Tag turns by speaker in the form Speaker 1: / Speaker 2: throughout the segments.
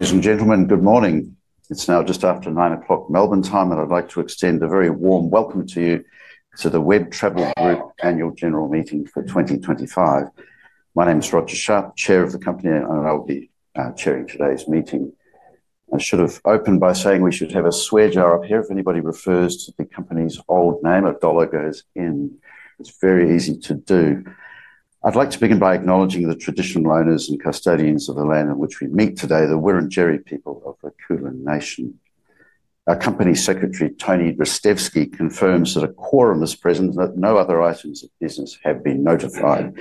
Speaker 1: Ladies and gentlemen, good morning. It's now just after 9:00 A.M. Melbourne time, and I'd like to extend a very warm welcome to you to the Web Travel Group annual general meeting for 2025. My name is Roger Sharp, Chair of the Company, and I will be chairing today's meeting. I should have opened by saying we should have a swear jar up here if anybody refers to the company's old name. A dollar goes in. It's very easy to do. I'd like to begin by acknowledging the traditional owners and custodians of the land in which we meet today, the Wurundjeri people of the Kulin Nation. Our Company Secretary, Tony Ristevski, confirms that a quorum is present and that no other items of business have been notified.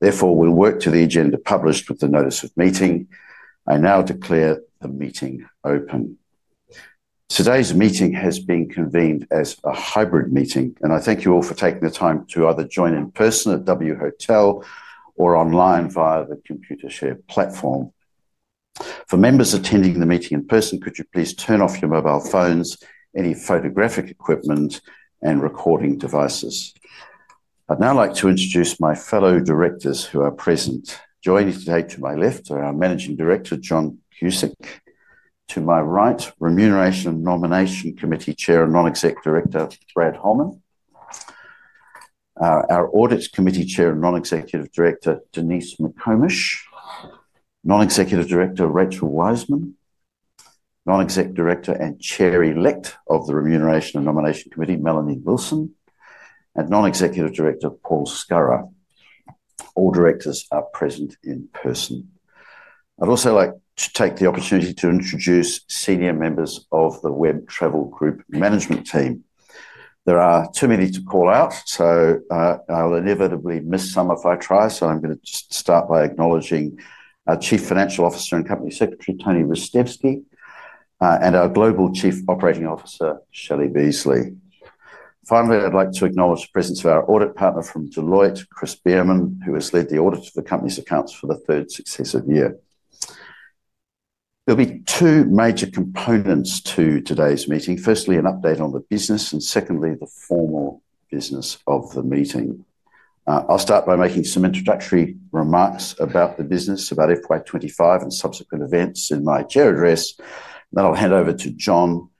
Speaker 1: Therefore, we'll work to the agenda published with the notice of meeting. I now declare the meeting open. Today's meeting has been convened as a hybrid meeting, and I thank you all for taking the time to either join in person at W Hotel or online via the computer shared platform. For members attending the meeting in person, could you please turn off your mobile phones, any photographic equipment, and recording devices? I'd now like to introduce my fellow directors who are present. Joining me today to my left are our Managing Director, John Guscic. To my right, Remuneration and Nomination Committee Chair and Non-Executive Director, Brad Holman. Our Audits Committee Chair and Non-Executive Director, Denise McComish. Non-Executive Director, Rachel Wiseman. Non-Executive Director and Chair Elect of the Remuneration and Nomination Committee, Melanie Wilson. And Non-Executive Director, Paul Scurrah. All directors are present in person. I'd also like to take the opportunity to introduce senior members of the Web Travel Group management team. There are too many to call out, so I'll inevitably miss some if I try, so I'm going to start by acknowledging our Chief Financial Officer and Company Secretary, Tony Ristevski, and our Global Chief Operating Officer, Shelley Beasley. Finally, I'd like to acknowledge the presence of our audit partner from Deloitte, Chris Bearman, who has led the audit of the company's accounts for the third successive year. There'll be two major components to today's meeting. Firstly, an update on the business, and secondly, the formal business of the meeting. I'll start by making some introductory remarks about the business, about FY25 and subsequent events in my Chair address, and then I'll hand over to John,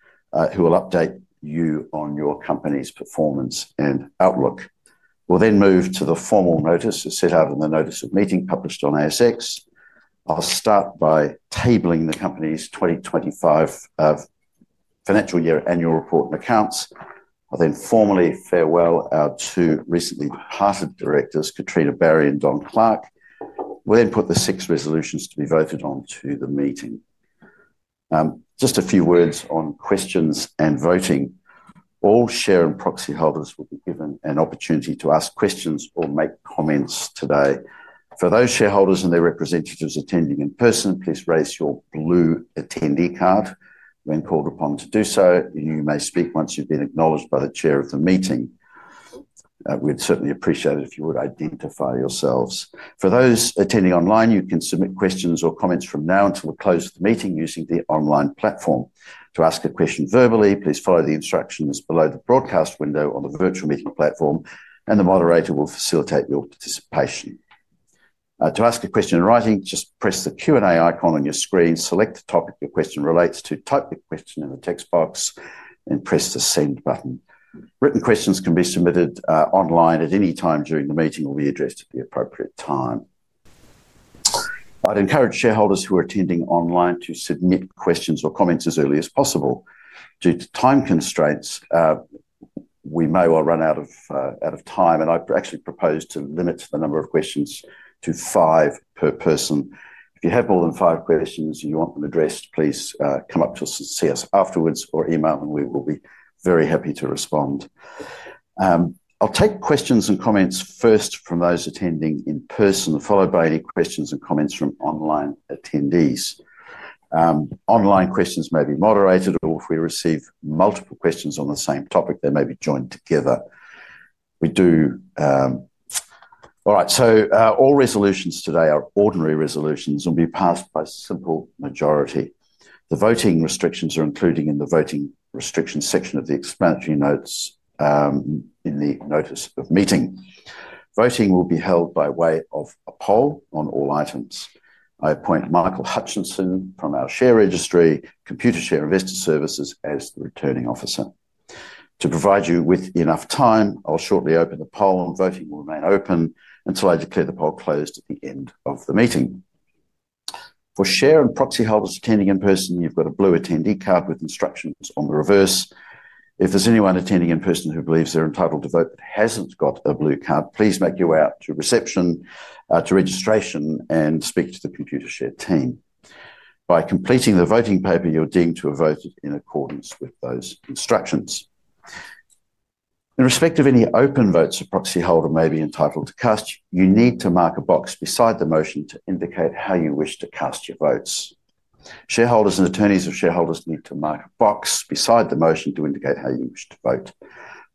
Speaker 1: who will update you on your company's performance and outlook. We'll then move to the formal notice as set out in the notice of meeting published on ASX. I'll start by tabling the company's 2025 financial year annual report and accounts. I'll then formally farewell our two recently departed directors, Katrina Barry and Don Clark. We'll then put the six resolutions to be voted on to the meeting. Just a few words on questions and voting. All share and proxy holders will be given an opportunity to ask questions or make comments today. For those shareholders and their representatives attending in person, please raise your blue attendee card. When called upon to do so, you may speak once you've been acknowledged by the Chair of the meeting. We'd certainly appreciate it if you would identify yourselves. For those attending online, you can submit questions or comments from now until we close the meeting using the online platform. To ask a question verbally, please follow the instructions below the broadcast window on the virtual meeting platform, and the moderator will facilitate your participation. To ask a question in writing, just press the Q&A icon on your screen, select the topic your question relates to, type your question in the text box, and press the send button. Written questions can be submitted online at any time during the meeting or be addressed at the appropriate time. I'd encourage shareholders who are attending online to submit questions or comments as early as possible. Due to time constraints, we may well run out of time, and I actually propose to limit the number of questions to five per person. If you have more than five questions and you want them addressed, please come up to us and see us afterwards or email, and we will be very happy to respond. I'll take questions and comments first from those attending in person, followed by any questions and comments from online attendees. Online questions may be moderated, or if we receive multiple questions on the same topic, they may be joined together. All resolutions today are ordinary resolutions and will be passed by simple majority. The voting restrictions are included in the voting restrictions section of the explanatory notes in the notice of meeting. Voting will be held by way of a poll on all items. I appoint Michael Hutchinson from our share registry, Computershare Investor Services, as the Returning Officer. To provide you with enough time, I'll shortly open the poll, and voting will remain open until I declare the poll closed at the end of the meeting. For share and proxy holders attending in person, you've got a blue attendee card with instructions on the reverse. If there's anyone attending in person who believes they're entitled to vote but hasn't got a blue card, please make your way out to reception, to registration, and speak to the Computershare team. By completing the voting paper, you're deemed to have voted in accordance with those instructions. In respect of any open votes a proxy holder may be entitled to cast, you need to mark a box beside the motion to indicate how you wish to cast your votes. Shareholders and attorneys of shareholders need to mark a box beside the motion to indicate how you wish to vote.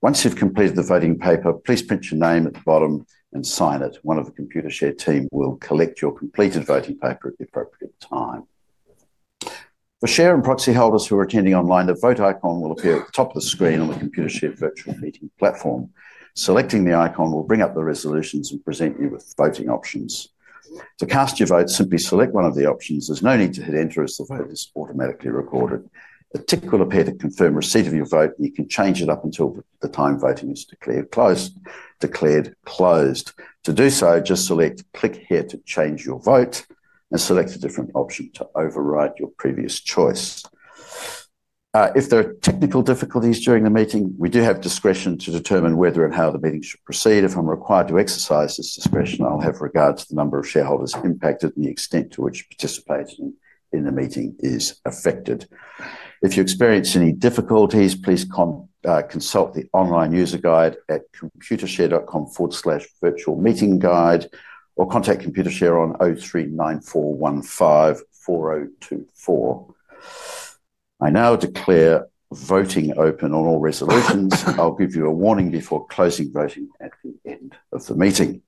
Speaker 1: Once you've completed the voting paper, please print your name at the bottom and sign it. One of the Computershare team will collect your completed voting paper at the appropriate time. For share and proxy holders who are attending online, the vote icon will appear at the top of the screen on the Computershare virtual meeting platform. Selecting the icon will bring up the resolutions and present you with voting options. To cast your vote, simply select one of the options. There's no need to hit enter as the vote is automatically recorded. A tick will appear to confirm receipt of your vote, and you can change it up until the time voting is declared closed. To do so, just select click here to change your vote and select a different option to override your previous choice. If there are technical difficulties during the meeting, we do have discretion to determine whether and how the meeting should proceed. If I'm required to exercise this discretion, I'll have regard to the number of shareholders impacted and the extent to which participating in the meeting is affected. If you experience any difficulties, please consult the online user guide at computershare.com/virtualmeetingguide or contact Computershare on 03-9415-4024. I now declare voting open on all resolutions. I'll give you a warning before closing voting at the end of the meeting.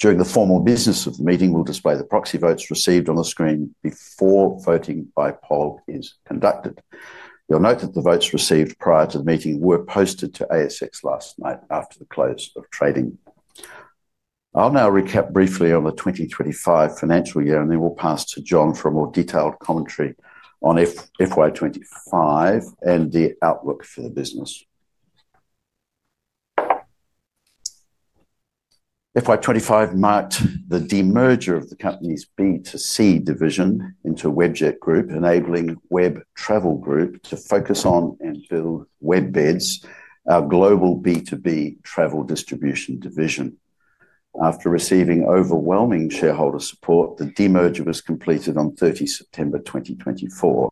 Speaker 1: During the formal business of the meeting, we'll display the proxy votes received on the screen before voting by poll is conducted. You'll note that the votes received prior to the meeting were posted to ASX last night after the close of trading. I'll now recap briefly on the 2025 financial year, and then we'll pass to John for a more detailed commentary on FY25 and the outlook for the business. FY25 marked the demerger of the company's B2C division into Webjet Group, enabling Web Travel Group to focus on and build Webbeds, our global B2B travel distribution division. After receiving overwhelming shareholder support, the demerger was completed on 30 September 2024,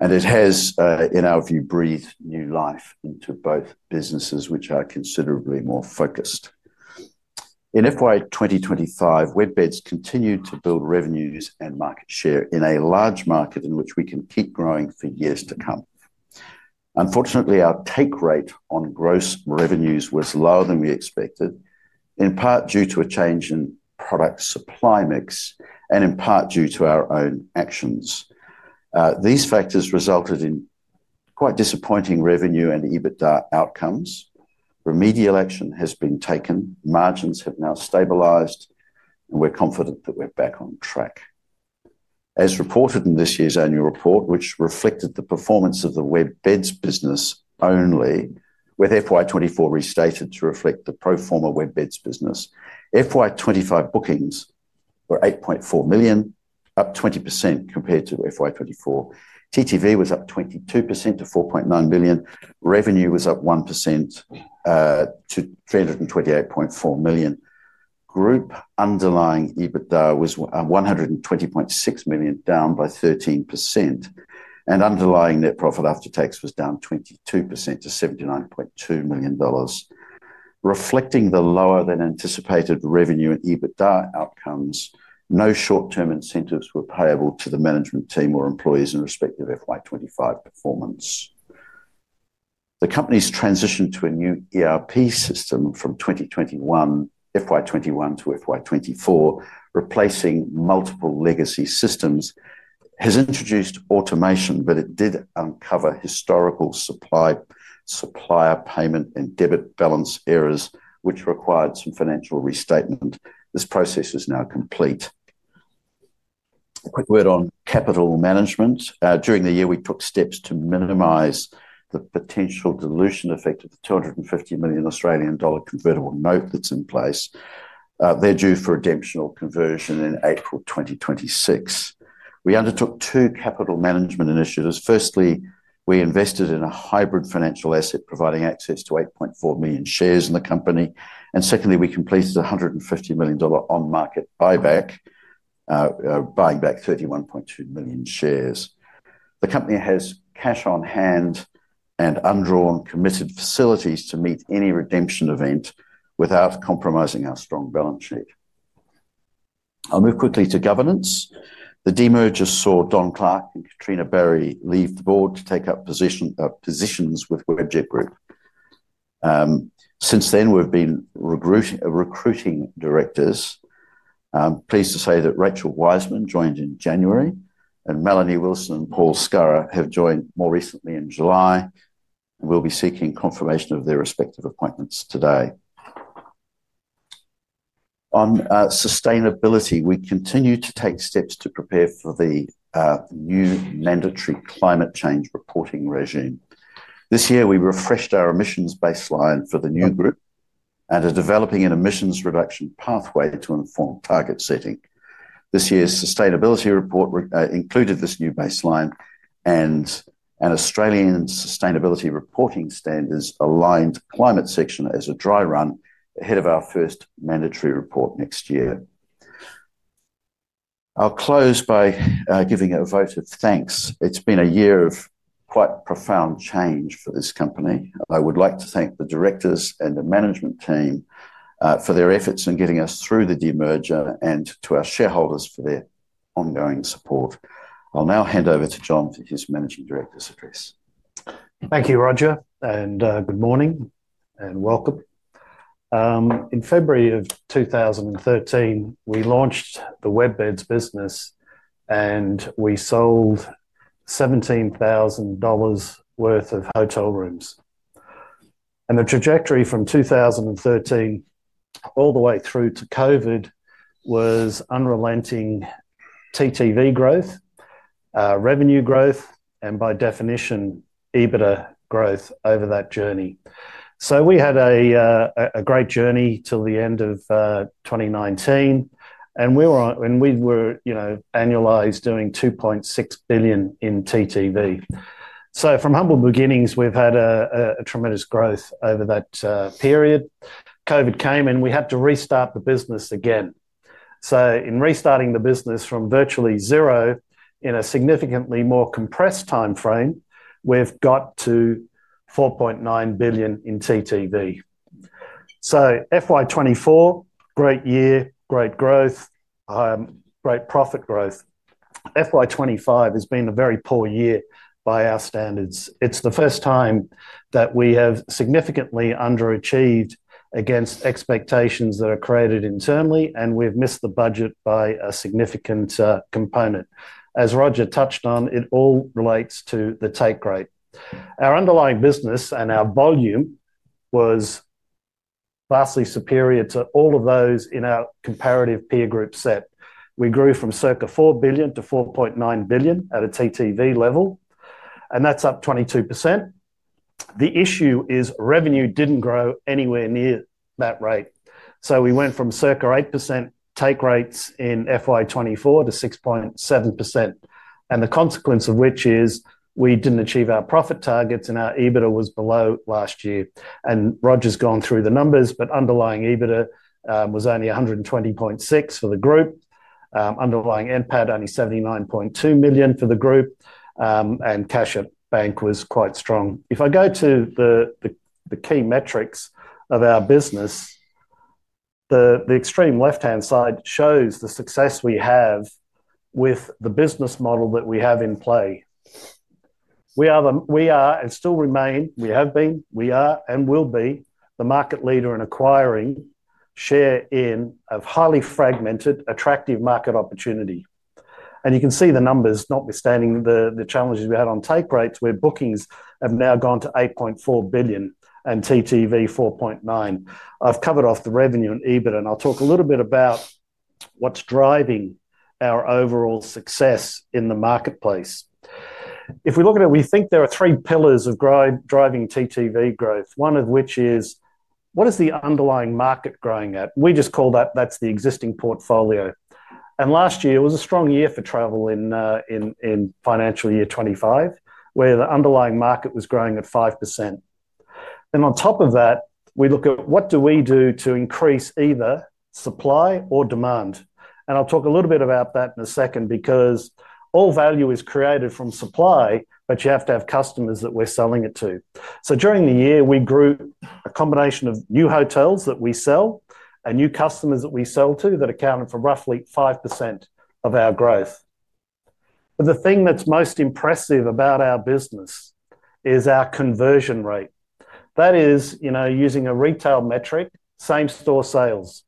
Speaker 1: and it has, in our view, breathed new life into both businesses, which are considerably more focused. In FY2025, Webbeds continued to build revenues and market share in a large market in which we can keep growing for years to come. Unfortunately, our take rate on gross revenues was lower than we expected, in part due to a change in product supply mix and in part due to our own actions. These factors resulted in quite disappointing revenue and EBITDA outcomes. Remedial action has been taken, margins have now stabilized, and we're confident that we're back on track. As reported in this year's annual report, which reflected the performance of the Webbeds business only, with FY24 restated to reflect the pro-forma Webbeds business, FY25 bookings were 8.4 million, up 20% compared to FY24. TTV was up 22% to $4.9 million. Revenue was up 1% to $328.4 million. Group underlying EBITDA was $120.6 million, down by 13%, and underlying net profit after tax was down 22% to $79.2 million. Reflecting the lower than anticipated revenue and EBITDA outcomes, no short-term incentives were payable to the management team or employees in respect of FY25 performance. The company's transition to a new ERP system from FY21 to FY24, replacing multiple legacy systems, has introduced automation, but it did uncover historical supplier payment and debit balance errors, which required some financial restatement. This process is now complete. A quick word on capital management. During the year, we took steps to minimize the potential dilution effect of the $250 million Australian dollar convertible note that's in place. They're due for redemption or conversion in April 2026. We undertook two capital management initiatives. Firstly, we invested in a hybrid financial asset providing access to 8.4 million shares in the company, and secondly, we completed a $150 million on-market buyback, buying back 31.2 million shares. The company has cash on hand and undrawn committed facilities to meet any redemption event without compromising our strong balance sheet. I'll move quickly to governance. The demerger saw Don Clark and Katrina Barry leave the board to take up positions with Webjet Group. Since then, we've been recruiting directors. I'm pleased to say that Rachel Wiseman joined in January, and Melanie Wilson and Paul Scurrah have joined more recently in July, and we'll be seeking confirmation of their respective appointments today. On sustainability, we continue to take steps to prepare for the new mandatory climate change reporting regime. This year, we refreshed our emissions baseline for the new group and are developing an emissions reduction pathway to inform target setting. This year's sustainability report included this new baseline, and Australian sustainability reporting standards aligned climate section as a dry run ahead of our first mandatory report next year. I'll close by giving a vote of thanks. It's been a year of quite profound change for this company. I would like to thank the directors and the management team for their efforts in getting us through the demerger and to our shareholders for their ongoing support. I'll now hand over to John for his Managing Director's address.
Speaker 2: Thank you, Roger, and good morning and welcome. In February of 2013, we launched the Webbeds business, and we sold $17,000 worth of hotel rooms. The trajectory from 2013 all the way through to COVID was unrelenting TTV growth, revenue growth, and by definition, EBITDA growth over that journey. We had a great journey till the end of 2019, and we were, you know, annualized doing $2.6 billion in TTV. From humble beginnings, we've had tremendous growth over that period. COVID came, and we had to restart the business again. In restarting the business from virtually zero in a significantly more compressed timeframe, we've got to $4.9 billion in TTV. FY24, great year, great growth, great profit growth. FY25 has been a very poor year by our standards. It's the first time that we have significantly underachieved against expectations that are created internally, and we've missed the budget by a significant component. As Roger touched on, it all relates to the take rate. Our underlying business and our volume was vastly superior to all of those in our comparative peer group set. We grew from circa $4 billion to $4.9 billion at a TTV level, and that's up 22%. The issue is revenue didn't grow anywhere near that rate. We went from circa 8% take rates in FY24 to 6.7%, and the consequence of which is we didn't achieve our profit targets, and our EBITDA was below last year. Roger's gone through the numbers, but underlying EBITDA was only $120.6 million for the group. Underlying NPAT only $79.2 million for the group, and cash at bank was quite strong. If I go to the key metrics of our business, the extreme left-hand side shows the success we have with the business model that we have in play. We are and still remain, we have been, we are and will be the market leader in acquiring share in a highly fragmented, attractive market opportunity. You can see the numbers, notwithstanding the challenges we had on take rates, where bookings have now gone to $8.4 billion and TTV $4.9 billion. I've covered off the revenue and EBITDA, and I'll talk a little bit about what's driving our overall success in the marketplace. If we look at it, we think there are three pillars of driving TTV growth, one of which is what is the underlying market growing at? We just call that that's the existing portfolio. Last year was a strong year for travel in financial year 2025, where the underlying market was growing at 5%. On top of that, we look at what do we do to increase either supply or demand? I'll talk a little bit about that in a second because all value is created from supply, but you have to have customers that we're selling it to. During the year, we grew a combination of new hotels that we sell and new customers that we sell to that accounted for roughly 5% of our growth. The thing that's most impressive about our business is our conversion rate. That is, using a retail metric, same store sales.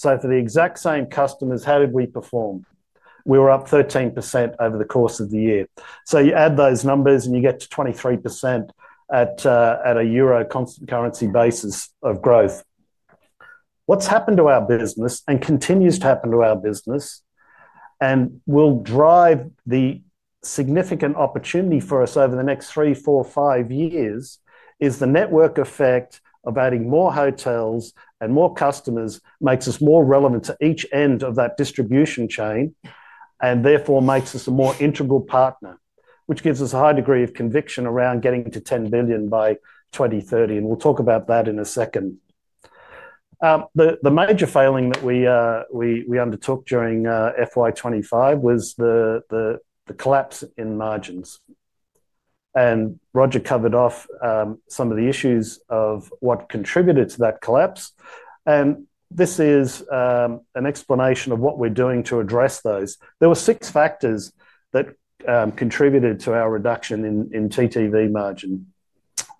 Speaker 2: For the exact same customers, how did we perform? We were up 13% over the course of the year. You add those numbers and you get to 23% at a euro constant currency basis of growth. What's happened to our business and continues to happen to our business and will drive the significant opportunity for us over the next three, four, five years is the network effect of adding more hotels and more customers makes us more relevant to each end of that distribution chain and therefore makes us a more integral partner, which gives us a high degree of conviction around getting to $10 billion by 2030. We'll talk about that in a second. The major failing that we undertook during FY25 was the collapse in margins. Roger covered off some of the issues of what contributed to that collapse. This is an explanation of what we're doing to address those. There were six factors that contributed to our reduction in TTV margin.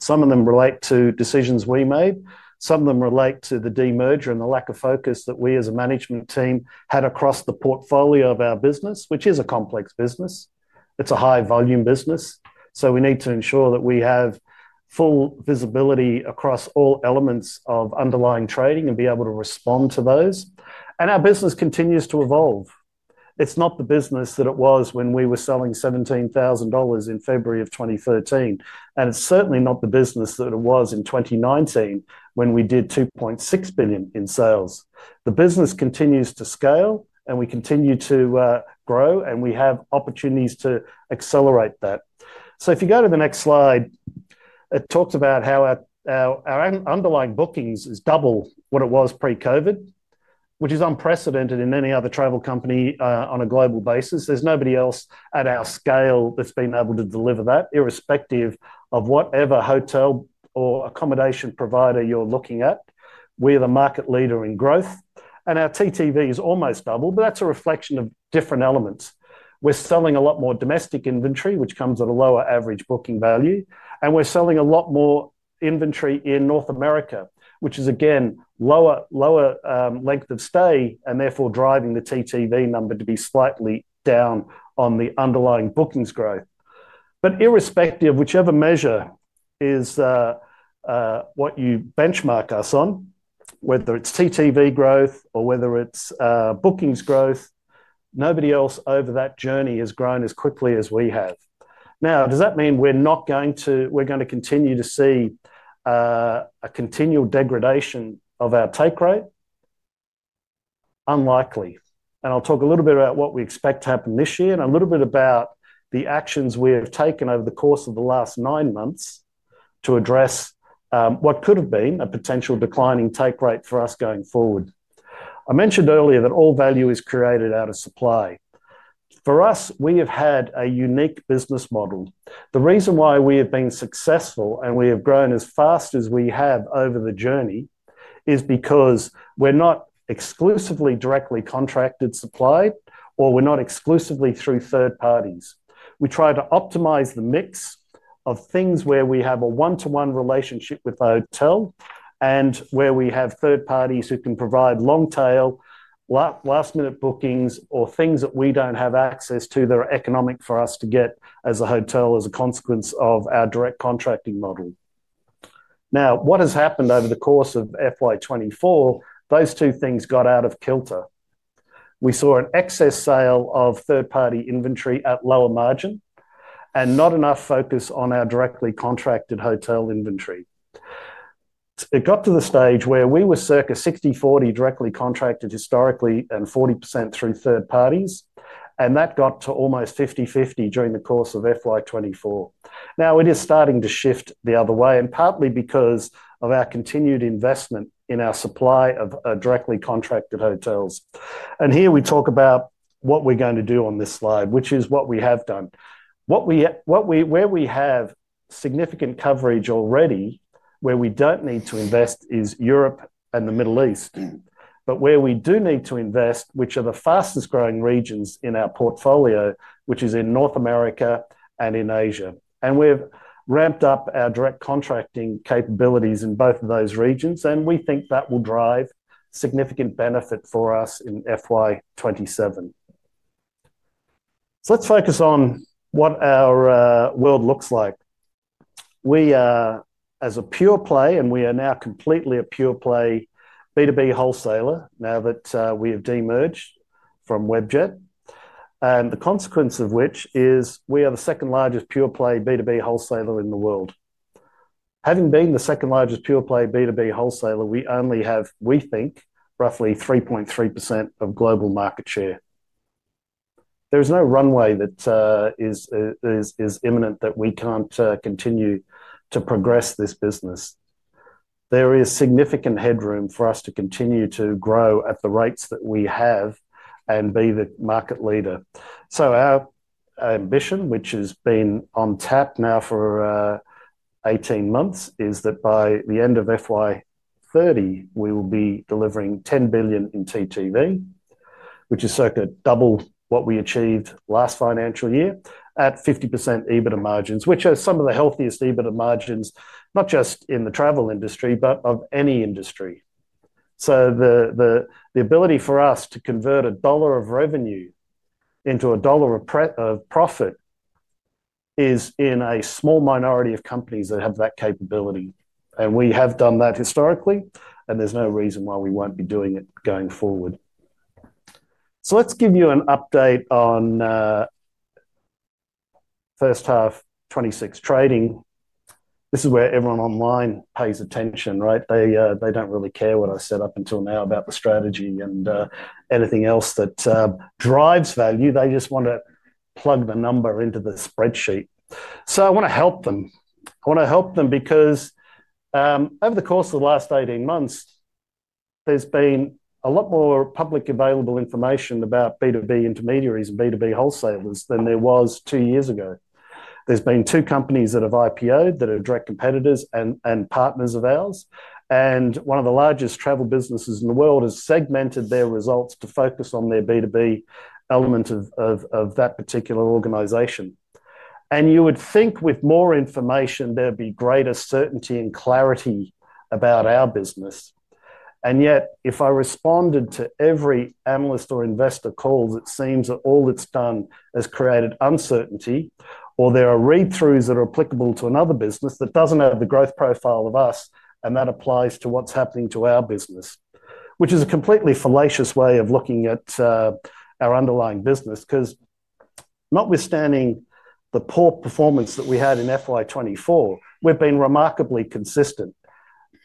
Speaker 2: Some of them relate to decisions we made. Some of them relate to the demerger and the lack of focus that we as a management team had across the portfolio of our business, which is a complex business. It's a high-volume business. We need to ensure that we have full visibility across all elements of underlying trading and be able to respond to those. Our business continues to evolve. It's not the business that it was when we were selling $17,000 in February of 2013. It's certainly not the business that it was in 2019 when we did $2.6 billion in sales. The business continues to scale and we continue to grow and we have opportunities to accelerate that. If you go to the next slide, it talks about how our underlying bookings is double what it was pre-COVID, which is unprecedented in any other travel company on a global basis. There's nobody else at our scale that's been able to deliver that, irrespective of whatever hotel or accommodation provider you're looking at. We're the market leader in growth. Our TTV is almost double, but that's a reflection of different elements. We're selling a lot more domestic inventory, which comes at a lower average booking value. We're selling a lot more inventory in North America, which is again lower length of stay and therefore driving the TTV number to be slightly down on the underlying bookings growth. Irrespective of whichever measure is what you benchmark us on, whether it's TTV growth or whether it's bookings growth, nobody else over that journey has grown as quickly as we have. Does that mean we're going to continue to see a continual degradation of our take rate? Unlikely. I'll talk a little bit about what we expect to happen this year and a little bit about the actions we have taken over the course of the last nine months to address what could have been a potential declining take rate for us going forward. I mentioned earlier that all value is created out of supply. For us, we have had a unique business model. The reason why we have been successful and we have grown as fast as we have over the journey is because we're not exclusively directly contracted supply or we're not exclusively through third parties. We try to optimize the mix of things where we have a one-to-one relationship with the hotel and where we have third parties who can provide long-tail, last-minute bookings or things that we don't have access to that are economic for us to get as a hotel as a consequence of our direct contracting model. Over the course of FY24, those two things got out of kilter. We saw an excess sale of third-party inventory at lower margin and not enough focus on our directly contracted hotel inventory. It got to the stage where we were circa 60, 40 directly contracted historically and 40% through third parties, and that got to almost 50, 50 during the course of FY24. Now, it is starting to shift the other way and partly because of our continued investment in our supply of directly contracted hotels. Here we talk about what we're going to do on this slide, which is what we have done. Where we have significant coverage already, where we don't need to invest, is Europe and the Middle East. Where we do need to invest, which are the fastest growing regions in our portfolio, is in North America and in Asia. We have ramped up our direct contracting capabilities in both of those regions, and we think that will drive significant benefit for us in FY27. Let's focus on what our world looks like. We are a pure play, and we are now completely a pure play B2B wholesaler now that we have demerged from Webjet, the consequence of which is we are the second largest pure play B2B wholesaler in the world. Having been the second largest pure play B2B wholesaler, we only have, we think, roughly 3.3% of global market share. There is no runway that is imminent that we can't continue to progress this business. There is significant headroom for us to continue to grow at the rates that we have and be the market leader. Our ambition, which has been on tap now for 18 months, is that by the end of FY30, we will be delivering $10 billion in TTV, which is circa double what we achieved last financial year at 50% EBITDA margins, which are some of the healthiest EBITDA margins, not just in the travel industry, but of any industry. The ability for us to convert a dollar of revenue into a dollar of profit is in a small minority of companies that have that capability. We have done that historically, and there's no reason why we won't be doing it going forward. Let me give you an update on first half 2026 trading. This is where everyone online pays attention, right? They don't really care what I set up until now about the strategy and anything else that drives value. They just want to plug the number into the spreadsheet. I want to help them. I want to help them because over the course of the last 18 months, there's been a lot more publicly available information about B2B intermediaries and B2B wholesalers than there was two years ago. There have been two companies that have IPO that are direct competitors and partners of ours, and one of the largest travel businesses in the world has segmented their results to focus on their B2B element of that particular organization. You would think with more information, there would be greater certainty and clarity about our business. If I responded to every analyst or investor call, it seems that all that's done has created uncertainty, or there are read-throughs that are applicable to another business that doesn't have the growth profile of us, and that applies to what's happening to our business, which is a completely fallacious way of looking at our underlying business because notwithstanding the poor performance that we had in FY24, we've been remarkably consistent.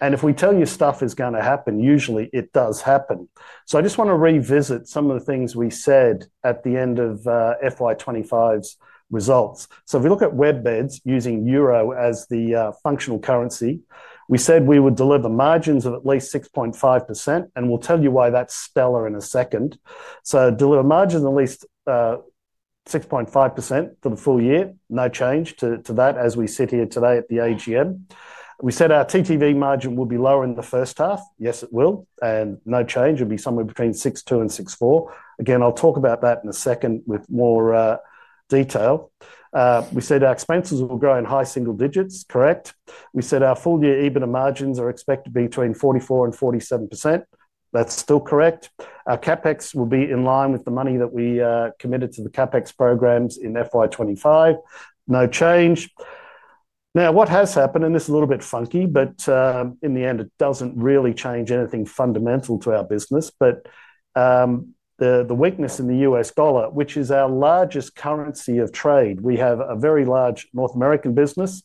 Speaker 2: If we tell you stuff is going to happen, usually it does happen. I just want to revisit some of the things we said at the end of FY25's results. If we look at Webbeds using euro as the functional currency, we said we would deliver margins of at least 6.5%, and we'll tell you why that's stellar in a second. Deliver margins at least 6.5% for the full year, no change to that as we sit here today at the AGM. We said our TTV margin will be lower in the first half. Yes, it will, and no change. It'll be somewhere between 6.2% and 6.4%. I'll talk about that in a second with more detail. We said our expenses will grow in high single digits, correct? We said our full-year EBITDA margins are expected to be between 44% and 47%. That's still correct. Our CapEx will be in line with the money that we committed to the CapEx programs in FY25. No change. What has happened, and this is a little bit funky, but in the end, it doesn't really change anything fundamental to our business, but the weakness in the U.S. dollar, which is our largest currency of trade, we have a very large North American business,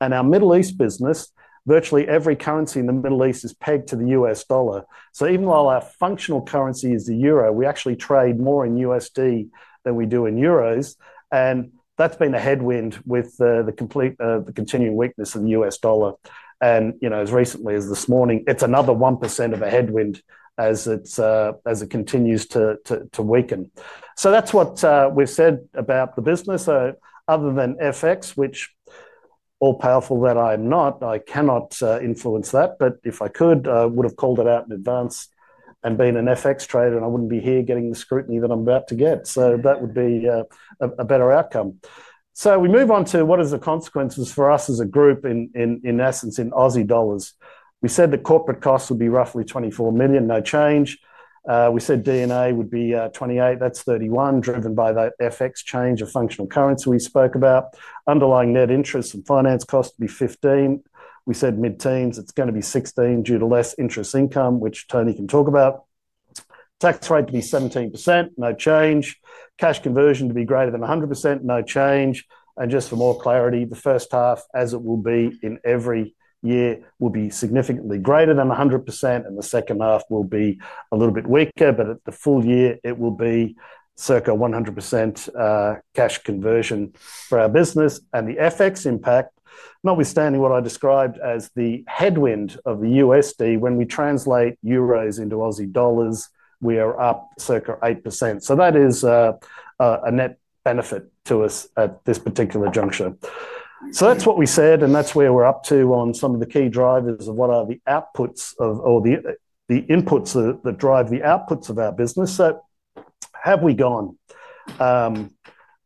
Speaker 2: and our Middle East business, virtually every currency in the Middle East is pegged to the U.S. dollar. Even while our functional currency is the euro, we actually trade more in USD than we do in Euros, and that's been a headwind with the complete continuing weakness of the U.S. dollar. As recently as this morning, it's another 1% of a headwind as it continues to weaken. That's what we've said about the business. Other than FX, which all-powerful that I am not, I cannot influence that, but if I could, I would have called it out in advance and been an FX trader, and I wouldn't be here getting the scrutiny that I'm about to get. That would be a better outcome. We move on to what are the consequences for us as a group in essence in Aussie dollars. We said the corporate costs would be roughly $24 million, no change. We said D&A would be 28, that's 31, driven by the FX change of functional currency we spoke about. Underlying net interest and finance costs would be 15. We said mid-teens, it's going to be 16 due to less interest income, which Tony can talk about. Tax rate to be 17%, no change. Cash conversion to be greater than 100%, no change. For more clarity, the first half, as it will be in every year, will be significantly greater than 100%, and the second half will be a little bit weaker, but at the full year, it will be circa 100% cash conversion for our business. The FX impact, notwithstanding what I described as the headwind of the USD, when we translate Euros into Aussie dollars, we are up circa 8%. That is a net benefit to us at this particular juncture. That's what we said, and that's where we're up to on some of the key drivers of what are the outputs of or the inputs that drive the outputs of our business. Have we gone?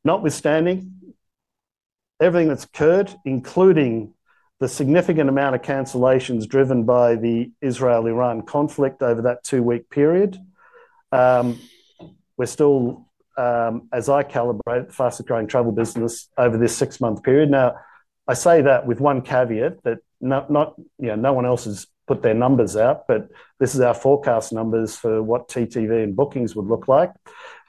Speaker 2: Notwithstanding everything that's occurred, including the significant amount of cancellations driven by the Israel-Iran conflict over that two-week period, we're still, as I calibrated, the fastest growing travel business over this six-month period. I say that with one caveat that not, you know, no one else has put their numbers out, but this is our forecast numbers for what TTV and bookings would look like.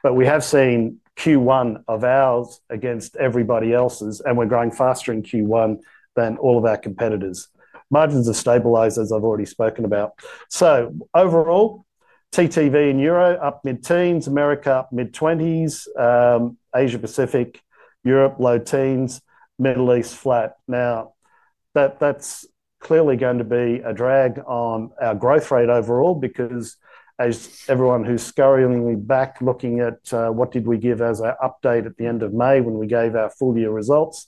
Speaker 2: We have seen Q1 of ours against everybody else's, and we're growing faster in Q1 than all of our competitors. Margins are stabilized, as I've already spoken about. Overall, TTV in Euro up mid-teens, America up mid-20s, Asia-Pacific, Europe low teens, Middle East flat. That's clearly going to be a drag on our growth rate overall because as everyone who's scurrying back looking at what did we give as our update at the end of May when we gave our full-year results,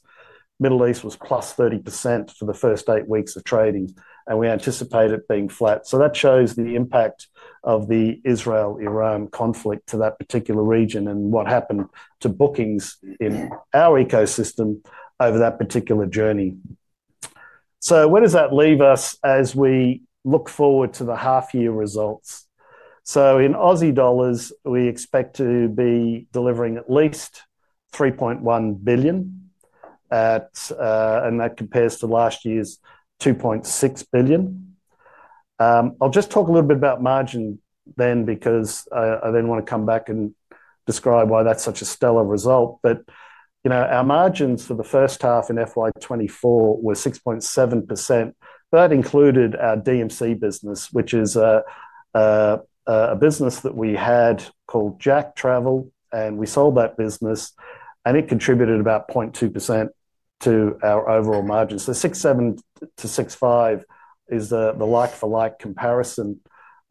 Speaker 2: Middle East was plus 30% for the first eight weeks of trading, and we anticipated it being flat. That shows the impact of the Israel-Iran conflict to that particular region and what happened to bookings in our ecosystem over that particular journey. Where does that leave us as we look forward to the half-year results? In Aussie dollars, we expect to be delivering at least $3.1 billion, and that compares to last year's $2.6 billion. I'll just talk a little bit about margin then because I then want to come back and describe why that's such a stellar result. Our margins for the first half in FY24 were 6.7%, but that included our DMC business, which is a business that we had called Jack Travel, and we sold that business, and it contributed about 0.2% to our overall margin. 6.7% to 6.5% is the like-for-like comparison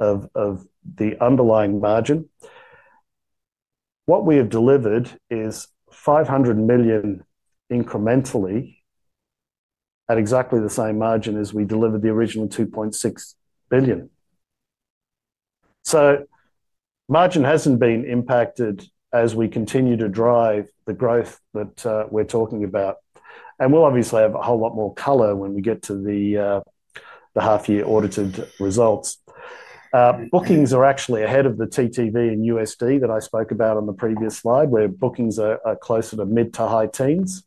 Speaker 2: of the underlying margin. What we have delivered is $500 million incrementally at exactly the same margin as we delivered the original $2.6 billion. Margin hasn't been impacted as we continue to drive the growth that we're talking about. We will obviously have a whole lot more color when we get to the half-year audited results. Bookings are actually ahead of the TTV in USD that I spoke about on the previous slide, where bookings are closer to mid to high teens.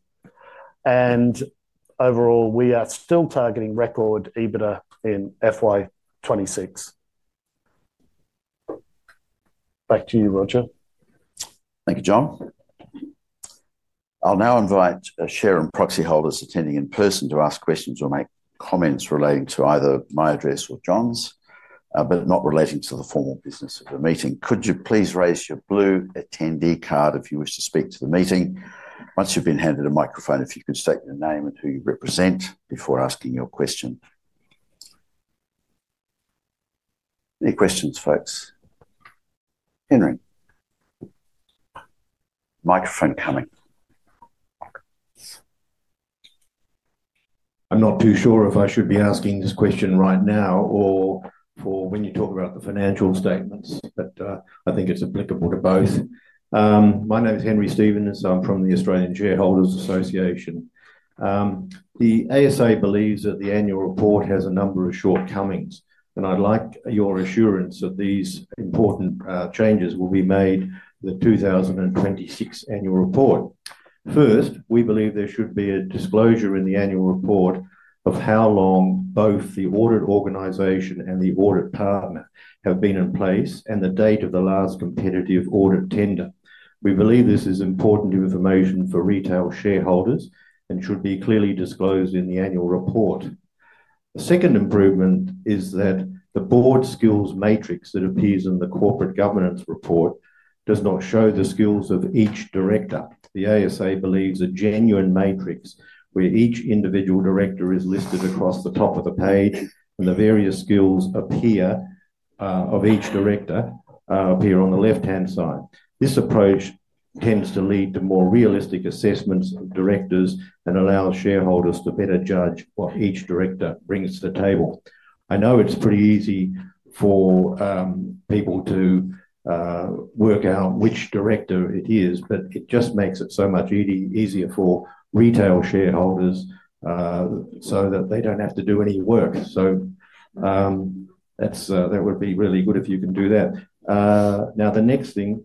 Speaker 2: Overall, we are still targeting record EBITDA in FY26. Back to you, Roger.
Speaker 1: Thank you, John. I'll now invite share and proxy holders attending in person to ask questions or make comments relating to either my address or John's, but not relating to the formal business of the meeting. Could you please raise your blue attendee card if you wish to speak to the meeting? Once you've been handed a microphone, if you could state your name and who you represent before asking your question. Any questions, folks? Henry? Microphone coming.
Speaker 3: I'm not too sure if I should be asking this question right now or for when you talk about the financial statements, but I think it's applicable to both. My name is Henry Stevens, and I'm from the Australian Shareholders Association. The ASA believes that the annual report has a number of shortcomings, and I'd like your assurance that these important changes will be made for the 2026 annual report. First, we believe there should be a disclosure in the annual report of how long both the audit organization and the audit partner have been in place and the date of the last competitive audit tender. We believe this is important information for retail shareholders and should be clearly disclosed in the annual report. The second improvement is that the board skills matrix that appears in the corporate governance report does not show the skills of each director. The ASA believes a genuine matrix where each individual director is listed across the top of the page and the various skills of each director appear on the left-hand side. This approach tends to lead to more realistic assessments of directors and allows shareholders to better judge what each director brings to the table. I know it's pretty easy for people to work out which director it is, but it just makes it so much easier for retail shareholders so that they don't have to do any work. That would be really good if you can do that. Now, the next thing,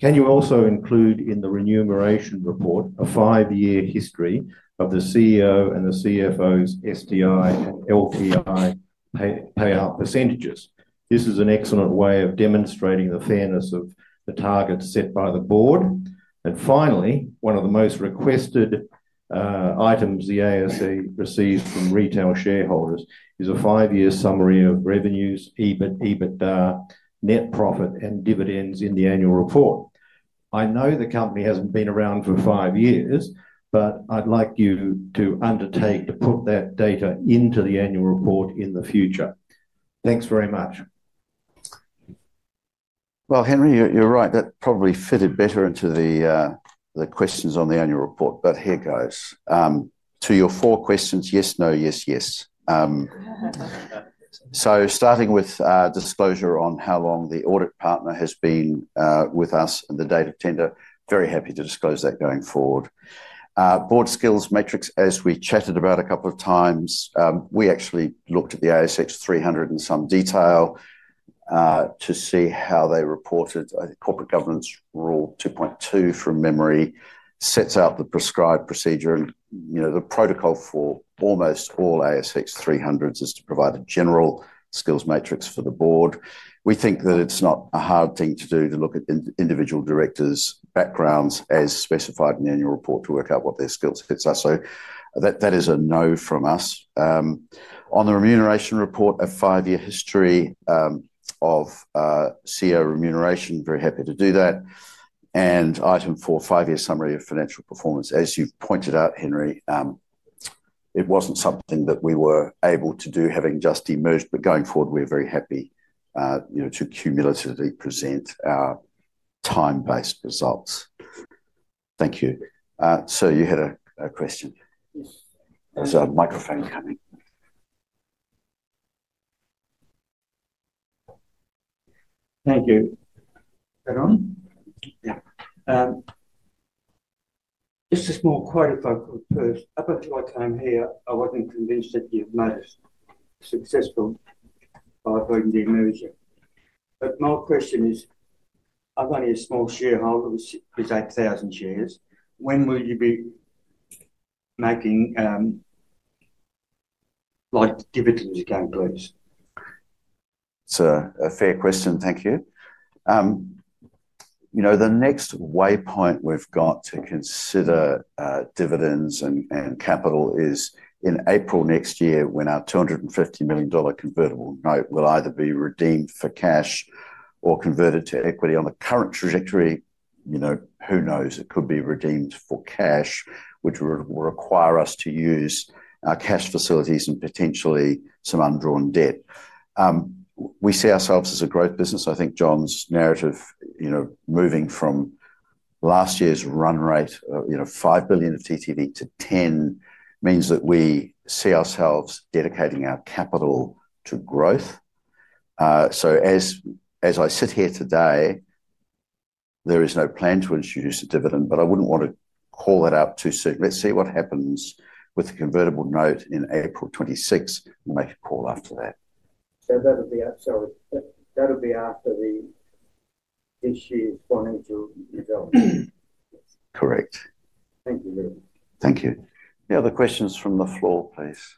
Speaker 3: can you also include in the remuneration report a five-year history of the CEO and the CFO's STI/LTI payout %? This is an excellent way of demonstrating the fairness of the targets set by the board. Finally, one of the most requested items the ASA receives from retail shareholders is a five-year summary of revenues, EBITDA, net profit, and dividends in the annual report. I know the company hasn't been around for five years, but I'd like you to undertake to put that data into the annual report in the future. Thanks very much.
Speaker 1: Henry, you're right. That probably fitted better into the questions on the annual report, but here goes. To your four questions, yes, no, yes, yes. Starting with disclosure on how long the audit partner has been with us and the date of tender, very happy to disclose that going forward. Board skills metrics, as we chatted about a couple of times, we actually looked at the ASX 300 in some detail to see how they reported. I think corporate governance rule 2.2, from memory, sets out the prescribed procedure and the protocol for almost all ASX 300s is to provide a general skills matrix for the board. We think that it's not a hard thing to do to look at individual directors' backgrounds as specified in the annual report to work out what their skill sets are. That is a no from us. On the remuneration report, a five-year history of CEO remuneration, very happy to do that. Item four, five-year summary of financial performance. As you pointed out, Henry, it wasn't something that we were able to do having just emerged, but going forward, we're very happy to cumulatively present our time-based results. Thank you. You had a question. It was a microphone.
Speaker 3: Thank you.
Speaker 1: Go on.
Speaker 3: Yeah. It's a small quote if I could. Up until I came here, I wasn't convinced that you might have successfully overwhelmed the emerging. My question is, I'm one of your small shareholders who's had thousands of years. When will you be making dividends again, please?
Speaker 1: It's a fair question. Thank you. The next waypoint we've got to consider dividends and capital is in April next year when our $250 million convertible note will either be redeemed for cash or converted to equity. On the current trajectory, who knows? It could be redeemed for cash, which will require us to use our cash facilities and potentially some undrawn debt. We see ourselves as a growth business. I think John's narrative, moving from last year's run rate, $5 billion of TTV to $10 billion, means that we see ourselves dedicating our capital to growth. As I sit here today, there is no plan to introduce a dividend, but I wouldn't want to call it up too soon. Let's see what happens with the convertible note in April 2026 and make a call after that.
Speaker 3: That'll be up after the issue wanting to develop.
Speaker 1: Correct. Thank you. Any other questions from the floor, please.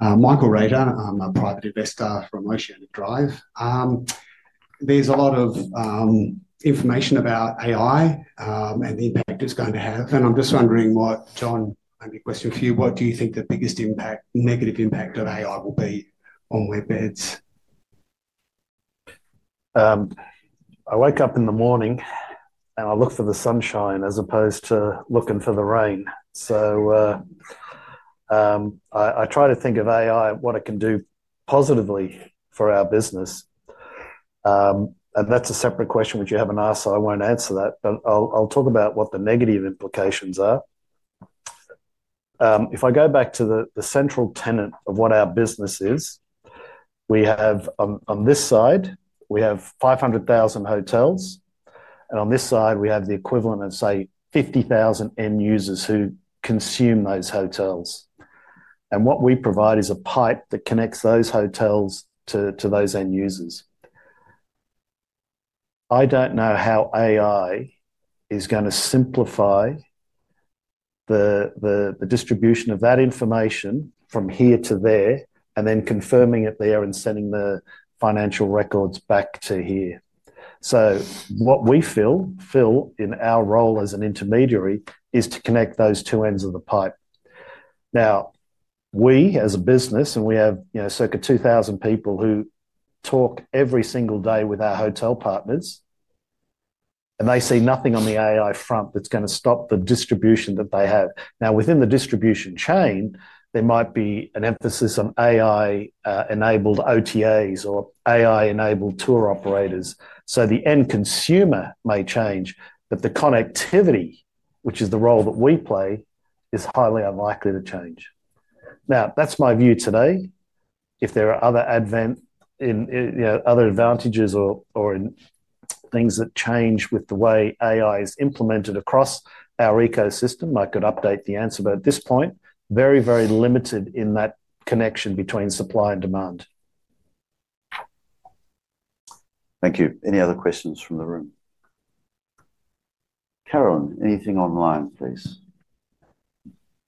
Speaker 4: Michael Rader. I'm a private investor from Ocean Drive. There's a lot of information about AI and the impact it's going to have. I'm just wondering what John, maybe a question for you, what do you think the biggest impact, negative impact of AI will be on Webbeds?
Speaker 2: I wake up in the morning and I look for the sunshine as opposed to looking for the rain. I try to think of AI, what it can do positively for our business. That's a separate question which you haven't asked, so I won't answer that. I'll talk about what the negative implications are. If I go back to the central tenet of what our business is, we have on this side, we have 500,000 hotels, and on this side, we have the equivalent of, say, 50,000 end users who consume those hotels. What we provide is a pipe that connects those hotels to those end users. I don't know how AI is going to simplify the distribution of that information from here to there and then confirming it there and sending the financial records back to here. What we feel in our role as an intermediary is to connect those two ends of the pipe. We as a business have, you know, circa 2,000 people who talk every single day with our hotel partners, and they see nothing on the AI front that's going to stop the distribution that they have. Within the distribution chain, there might be an emphasis on AI-enabled OTAs or AI-enabled tour operators. The end consumer may change, but the connectivity, which is the role that we play, is highly unlikely to change. That's my view today. If there are other advantages or things that change with the way AI is implemented across our ecosystem, I could update the answer, but at this point, very, very limited in that connection between supply and demand.
Speaker 1: Thank you. Any other questions from the room? Carolyn, anything online, please?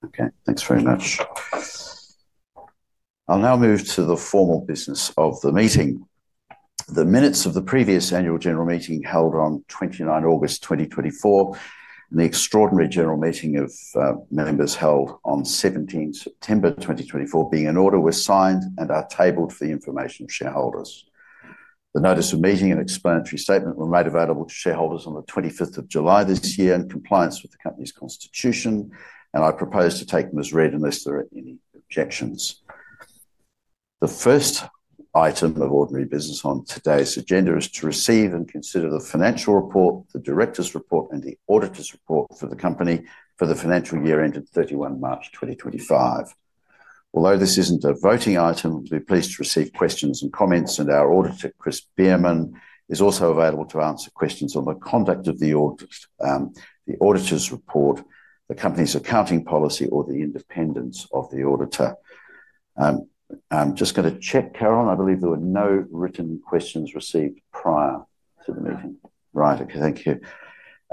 Speaker 1: Okay, thanks very much. I'll now move to the formal business of the meeting. The minutes of the previous Annual General Meeting held on 29 August 2024, and the Extraordinary General Meeting of members held on 17 September 2024, being in order, were signed and are tabled for the information of shareholders. The notice of meeting and explanatory statement were made available to shareholders on 25 July this year in compliance with the company's constitution, and I propose to take them as read unless there are any objections. The first item of ordinary business on today's agenda is to receive and consider the financial report, the Directors' Report, and the Auditor's Report for the company for the financial year ended 31 March 2025. Although this isn't a voting item, we'd be pleased to receive questions and comments, and our auditor, Chris Bearman, is also available to answer questions on the conduct of the Auditor's Report, the company's accounting policy, or the independence of the auditor. I'm just going to check, Carolyn, I believe there were no written questions received prior to the meeting. Right, okay, thank you.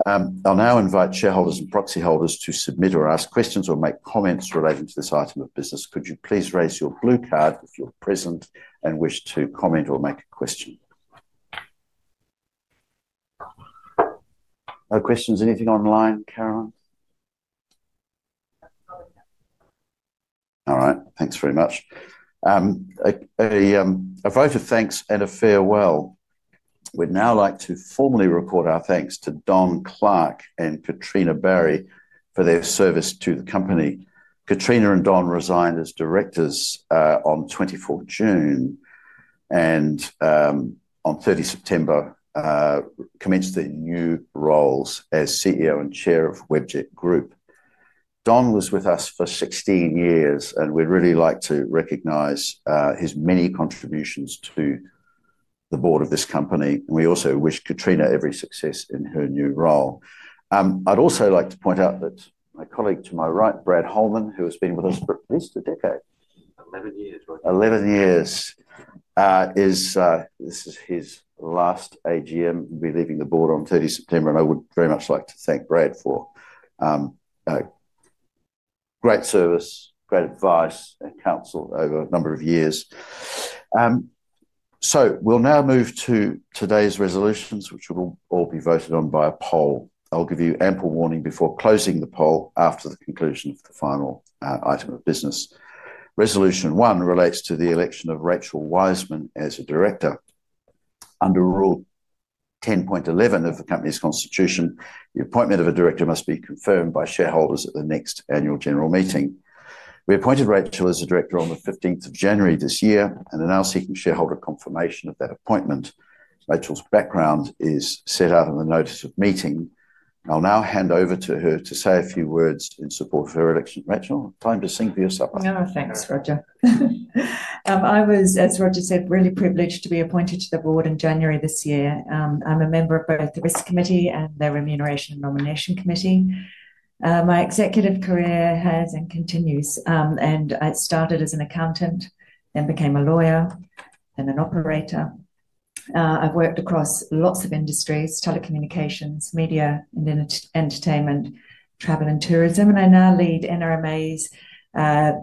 Speaker 1: I'll now invite shareholders and proxy holders to submit or ask questions or make comments relating to this item of business. Could you please raise your blue card if you're present and wish to comment or make a question? No questions. Anything online, Carolyn? All right, thanks very much. A vote of thanks and a farewell. We'd now like to formally record our thanks to Don Clark and Katrina Barry for their service to the company. Katrina and Don resigned as directors on 24 June and on 30 September commenced their new roles as CEO and Chair of WEBJET Group. Don was with us for 16 years, and we'd really like to recognize his many contributions to the board of this company, and we also wish Katrina every success in her new role. I'd also like to point out that my colleague to my right, Brad Holman, who has been with us for at least a decade.
Speaker 5: 11 years, brother.
Speaker 1: 11 years. This is his last AGM. He'll be leaving the board on 30 September, and I would very much like to thank Brad for great service, great advice, and counsel over a number of years. We'll now move to today's resolutions, which will all be voted on by a poll. I'll give you ample warning before closing the poll after the conclusion of the final item of business. Resolution one relates to the election of Rachel Wiseman as a Director. Under rule 10.11 of the company's constitution, the appointment of a Director must be confirmed by shareholders at the next annual general meeting. We appointed Rachel as a Director on 15 January this year and are now seeking shareholder confirmation of that appointment. Rachel's background is set out in the notice of meeting. I'll now hand over to her to say a few words in support of her election. Rachel, time to sing for yourself.
Speaker 6: Thank you, Roger. As Roger said, I was really privileged to be appointed to the board in January this year. I'm a member of both the Risk Committee and the Remuneration and Nomination Committee. My executive career has and continues, and I started as an accountant and became a lawyer and an operator. I've worked across lots of industries: telecommunications, media and entertainment, travel and tourism, and I now lead NRMA's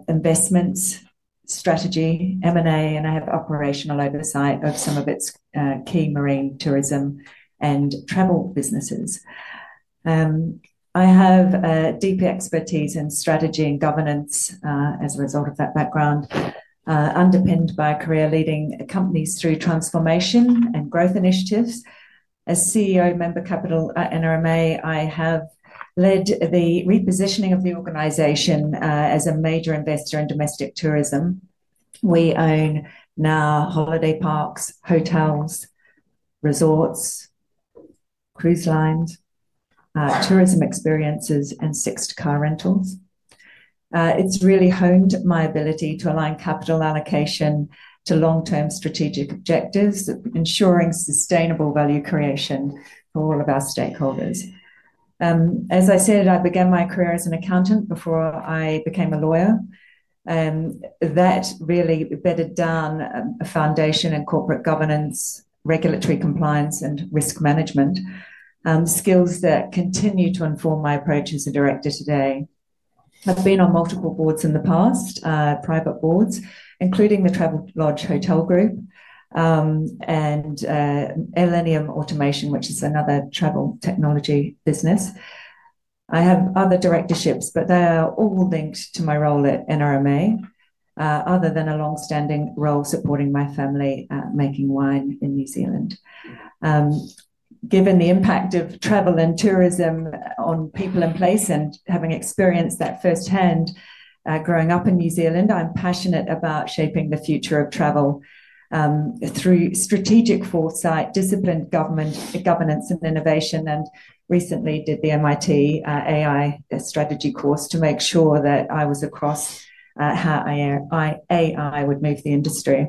Speaker 6: investments, strategy, M&A, and I have operational oversight of some of its key marine tourism and travel businesses. I have a deep expertise in strategy and governance as a result of that background, underpinned by a career leading companies through transformation and growth initiatives. As CEO, Member Capital at NRMA, I have led the repositioning of the organization as a major investor in domestic tourism. We now own holiday parks, hotels, resorts, cruise lines, tourism experiences, and six car rentals. It's really honed my ability to align capital allocation to long-term strategic objectives, ensuring sustainable value creation for all of our stakeholders. As I said, I began my career as an accountant before I became a lawyer. That really bedded down a foundation in corporate governance, regulatory compliance, and risk management. Skills that continue to inform my approach as a director today. I have been on multiple boards in the past, private boards, including the Travelodge Hotel Group and Elenium Automation, which is another travel technology business. I have other directorships, but they are all linked to my role at NRMA, other than a longstanding role supporting my family making wine in New Zealand. Given the impact of travel and tourism on people and place and having experienced that firsthand growing up in New Zealand, I'm passionate about shaping the future of travel through strategic foresight, disciplined governance, and innovation, and recently did the MIT AI strategy course to make sure that I was across how AI would move the industry.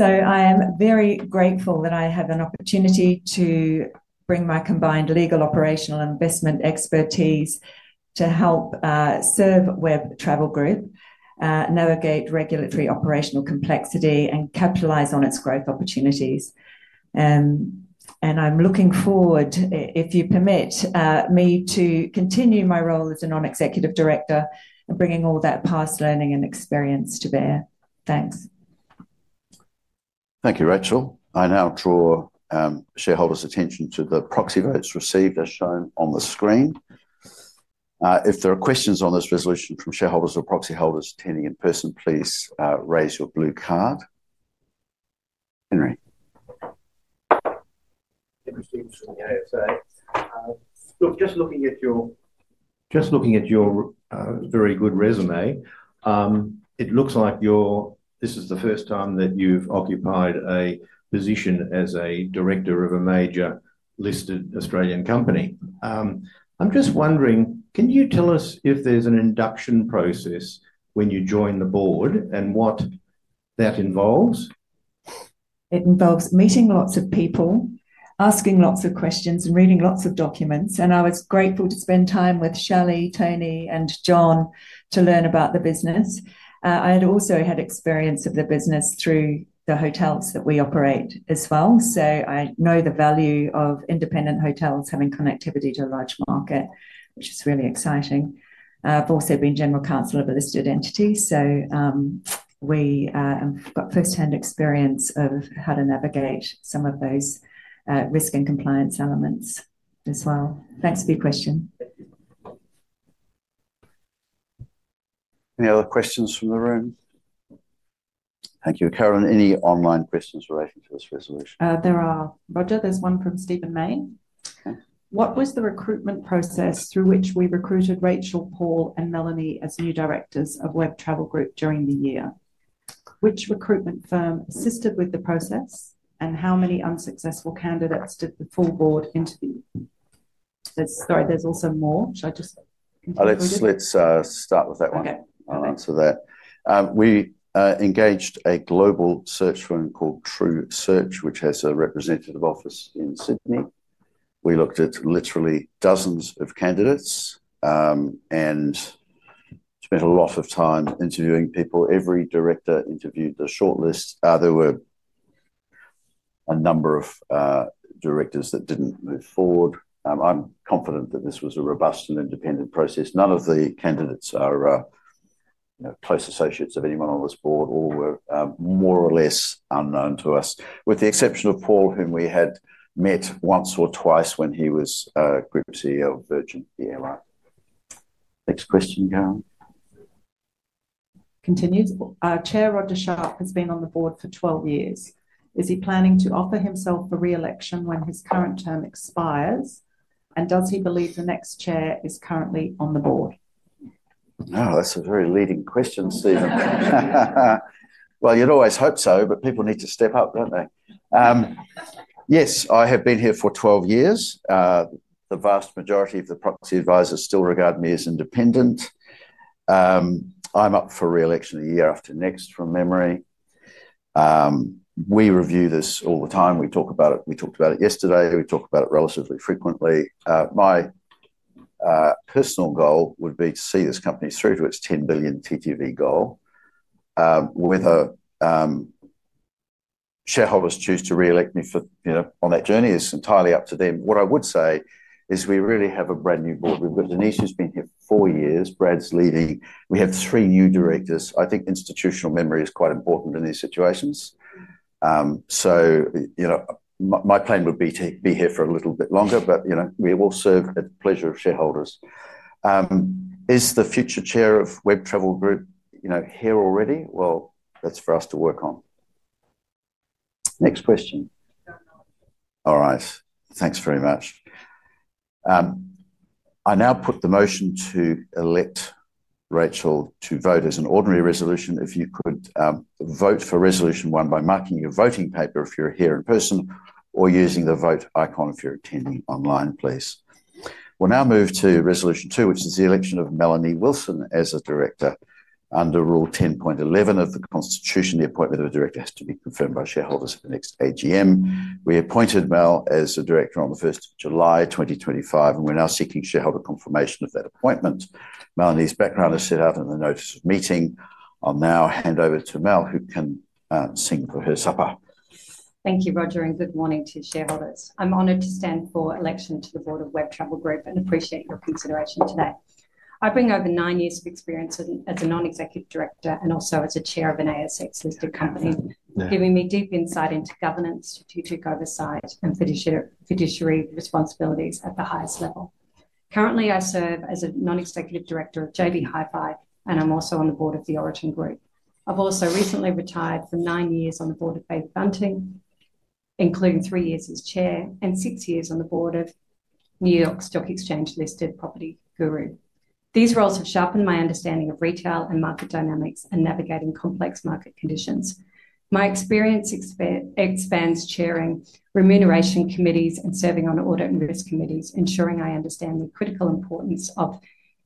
Speaker 6: I am very grateful that I have an opportunity to bring my combined legal, operational, and investment expertise to help serve Web Travel Group, navigate regulatory and operational complexity, and capitalize on its growth opportunities. I'm looking forward, if you permit me, to continue my role as a Non-Executive Director and bringing all that past learning and experience to bear. Thank you.
Speaker 1: Thank you, Rachel. I now draw shareholders' attention to the proxy votes received as shown on the screen. If there are questions on this resolution from shareholders or proxy holders attending in person, please raise your blue card. Henry.
Speaker 3: Just looking at your very good resume, it looks like this is the first time that you've occupied a position as a Director of a major listed Australian company. I'm just wondering, can you tell us if there's an induction process when you join the board and what that involves?
Speaker 6: It involves meeting lots of people, asking lots of questions, and reading lots of documents. I was grateful to spend time with Shelley, Tony, and John to learn about the business. I had also had experience of the business through the hotels that we operate as well. I know the value of independent hotels having connectivity to a large market, which is really exciting. I've also been General Counsel of a listed entity. We have got firsthand experience of how to navigate some of those risk and compliance elements as well. Thanks for your question.
Speaker 1: Any other questions from the room? Thank you. Carolyn, any online questions relating to this resolution?
Speaker 6: There are. Roger, there's one from Stephen Main. What was the recruitment process through which we recruited Rachel, Paul, and Melanie as new directors of Web Travel Group during the year? Which recruitment firm assisted with the process, and how many unsuccessful candidates did the full board interview? Sorry, there's also more. Should I just include it?
Speaker 1: Let's start with that one. I'll answer that. We engaged a global search firm called True Search, which has a representative office in Sydney. We looked at literally dozens of candidates and spent a lot of time interviewing people. Every director interviewed the shortlist. There were a number of directors that didn't move forward. I'm confident that this was a robust and independent process. None of the candidates are close associates of anyone on this board or were more or less unknown to us, with the exception of Paul, whom we had met once or twice when he was Group CEO of Virgin EMI. Next question, Carolyn.
Speaker 6: Continues. Chair Roger Sharp has been on the board for 12 years. Is he planning to offer himself for reelection when his current term expires, and does he believe the next Chair is currently on the board?
Speaker 1: No, that's a very leading question, Stephen. You'd always hope so, but people need to step up, don't they? Yes, I have been here for 12 years. The vast majority of the proxy advisors still regard me as independent. I'm up for reelection a year after next from memory. We review this all the time. We talk about it. We talked about it yesterday. We talk about it relatively frequently. My personal goal would be to see this company through to its $10 billion TTV goal. Whether shareholders choose to reelect me on that journey is entirely up to them. What I would say is we really have a brand new board. We've got Denise, who's been here for four years. Brad's leading. We have three new directors. I think institutional memory is quite important in these situations. My plan would be to be here for a little bit longer, but we will serve at the pleasure of shareholders. Is the future Chair of Web Travel Group here already? That's for us to work on. Next question. All right. Thanks very much. I now put the motion to elect Rachel to vote as an ordinary resolution. If you could vote for resolution one by marking your voting paper if you're here in person or using the vote icon if you're attending online, please. We'll now move to resolution two, which is the election of Melanie Wilson as a Director. Under rule 10.11 of the constitution, the appointment of a Director has to be confirmed by shareholders at the next AGM. We appointed Mel as a Director on the 1st of July 2025, and we're now seeking shareholder confirmation of that appointment. Melanie's background is set out in the notice of meeting. I'll now hand over to Mel, who can sing for her supper.
Speaker 7: Thank you, Roger, and good morning to shareholders. I'm honored to stand for election to the board of WEB Travel Group and appreciate your consideration today. I bring over nine years of experience as a Non-Executive Director and also as a Chair of an ASX listed company, giving me deep insight into governance, strategic oversight, and fiduciary responsibilities at the highest level. Currently, I serve as a Non-Executive Director of JB Hi-Fi, and I'm also on the board of the Origin Group. I've also recently retired from nine years on the board of Faith Bunting, including three years as Chair and six years on the board of New York Stock Exchange listed Property Guru. These roles have sharpened my understanding of retail and market dynamics and navigating complex market conditions. My experience expands chairing remuneration committees and serving on audit and risk committees, ensuring I understand the critical importance of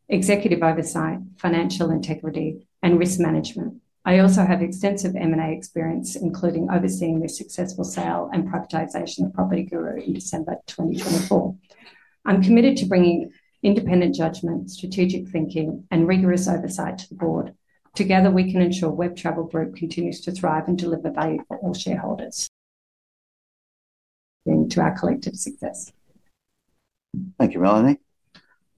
Speaker 7: executive oversight, financial integrity, and risk management. I also have extensive M&A experience, including overseeing the successful sale and privatization of Property Guru in December 2024. I'm committed to bringing independent judgment, strategic thinking, and rigorous oversight to the board. Together, we can ensure Web Travel Group continues to thrive and deliver value for all shareholders to our collective success.
Speaker 1: Thank you, Melanie.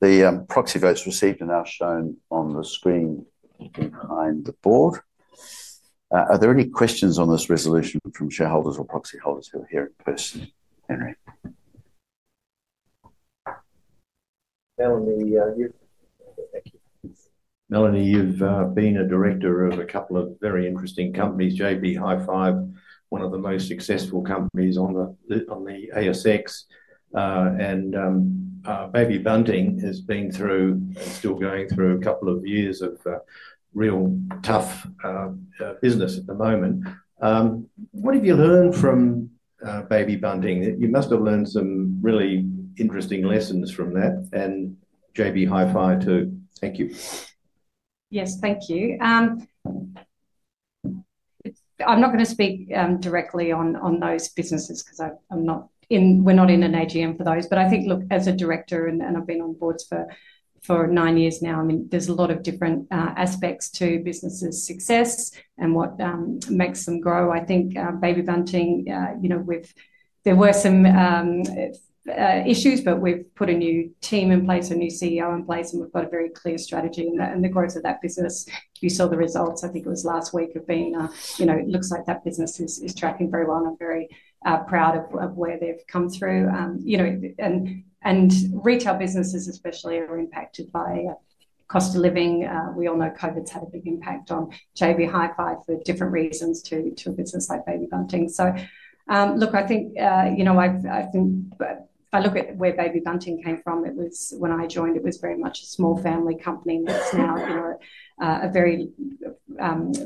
Speaker 1: The proxy votes received are now shown on the screen behind the board. Are there any questions on this resolution from shareholders or proxy holders who are here in person? Henry?
Speaker 3: Melanie, you've been a director of a couple of very interesting companies, JB Hi-Fi, one of the most successful companies on the ASX, and Baby Bunting has been through and still going through a couple of years of real tough business at the moment. What have you learned from Baby Bunting? You must have learned some really interesting lessons from that and JB Hi-Fi too. Thank you.
Speaker 7: Yes, thank you. I'm not going to speak directly on those businesses because we're not in an AGM for those, but I think, look, as a director, and I've been on boards for nine years now, there's a lot of different aspects to businesses' success and what makes them grow. I think Baby Bunting, there were some issues, but we've put a new team in place, a new CEO in place, and we've got a very clear strategy and the growth of that business. You saw the results. I think it was last week of being a, you know, it looks like that business is tracking very well and I'm very proud of where they've come through. Retail businesses especially are impacted by cost of living. We all know COVID's had a big impact on JB Hi-Fi for different reasons to a business like Baby Bunting. If I look at where Baby Bunting came from, it was when I joined, it was very much a small family company. It's now a very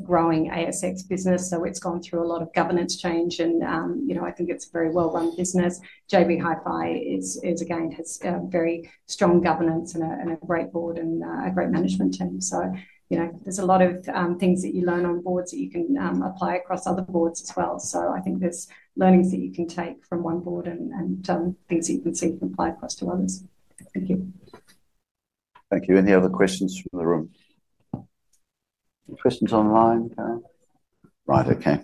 Speaker 7: growing ASX business. It's gone through a lot of governance change, and I think it's a very well-run business. JB Hi-Fi is, again, has very strong governance and a great board and a great management team. There's a lot of things that you learn on boards that you can apply across other boards as well. I think there's learnings that you can take from one board and things that you can see applied across to others. Thank you.
Speaker 1: Thank you. Any other questions from the room? Questions online, Carolyn? Right, okay.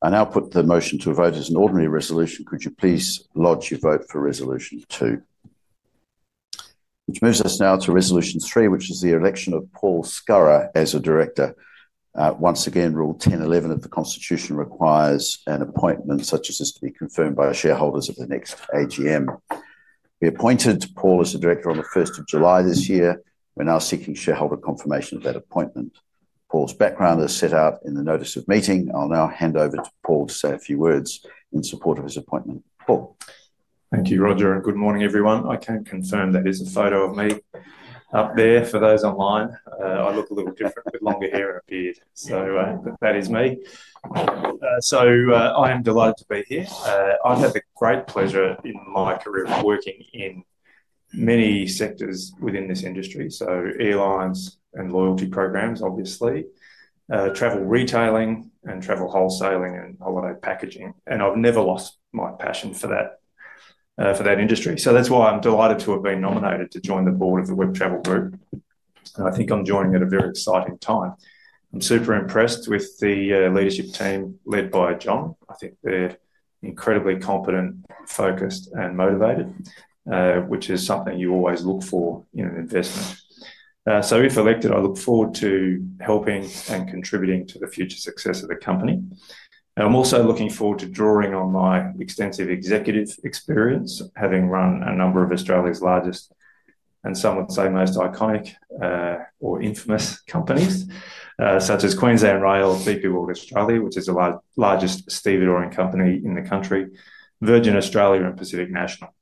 Speaker 1: I now put the motion to vote as an ordinary resolution. Could you please lodge your vote for resolution two? Moves us now to resolution three, which is the election of Paul Scurrah as a Director. Once again, rule 10.11 of the constitution requires an appointment such as this to be confirmed by our shareholders at the next AGM. We appointed Paul as a Director on the 1st of July this year. We're now seeking shareholder confirmation of that appointment. Paul's background is set out in the notice of meeting. I'll now hand over to Paul to say a few words in support of his appointment. Paul.
Speaker 8: Thank you, Roger, and good morning, everyone. I can confirm that is a photo of me up there for those online. I look a little different, a bit longer hair appeared. That is me. I am delighted to be here. I've had the great pleasure in my career of working in many sectors within this industry, including airlines and loyalty programs, travel retailing, travel wholesaling, and holiday packaging. I've never lost my passion for that industry. That's why I'm delighted to have been nominated to join the board of the Web Travel Group. I think I'm joining at a very exciting time. I'm super impressed with the leadership team led by John. I think they're incredibly competent, focused, and motivated, which is something you always look for in an investment. If elected, I look forward to helping and contributing to the future success of the company. I'm also looking forward to drawing on my extensive executive experience, having run a number of Australia's largest and some would say most iconic or infamous companies, such as Queensland Rail, BP World Australia, which is the largest stevedore and company in the country, Virgin Australia, and Pacific National.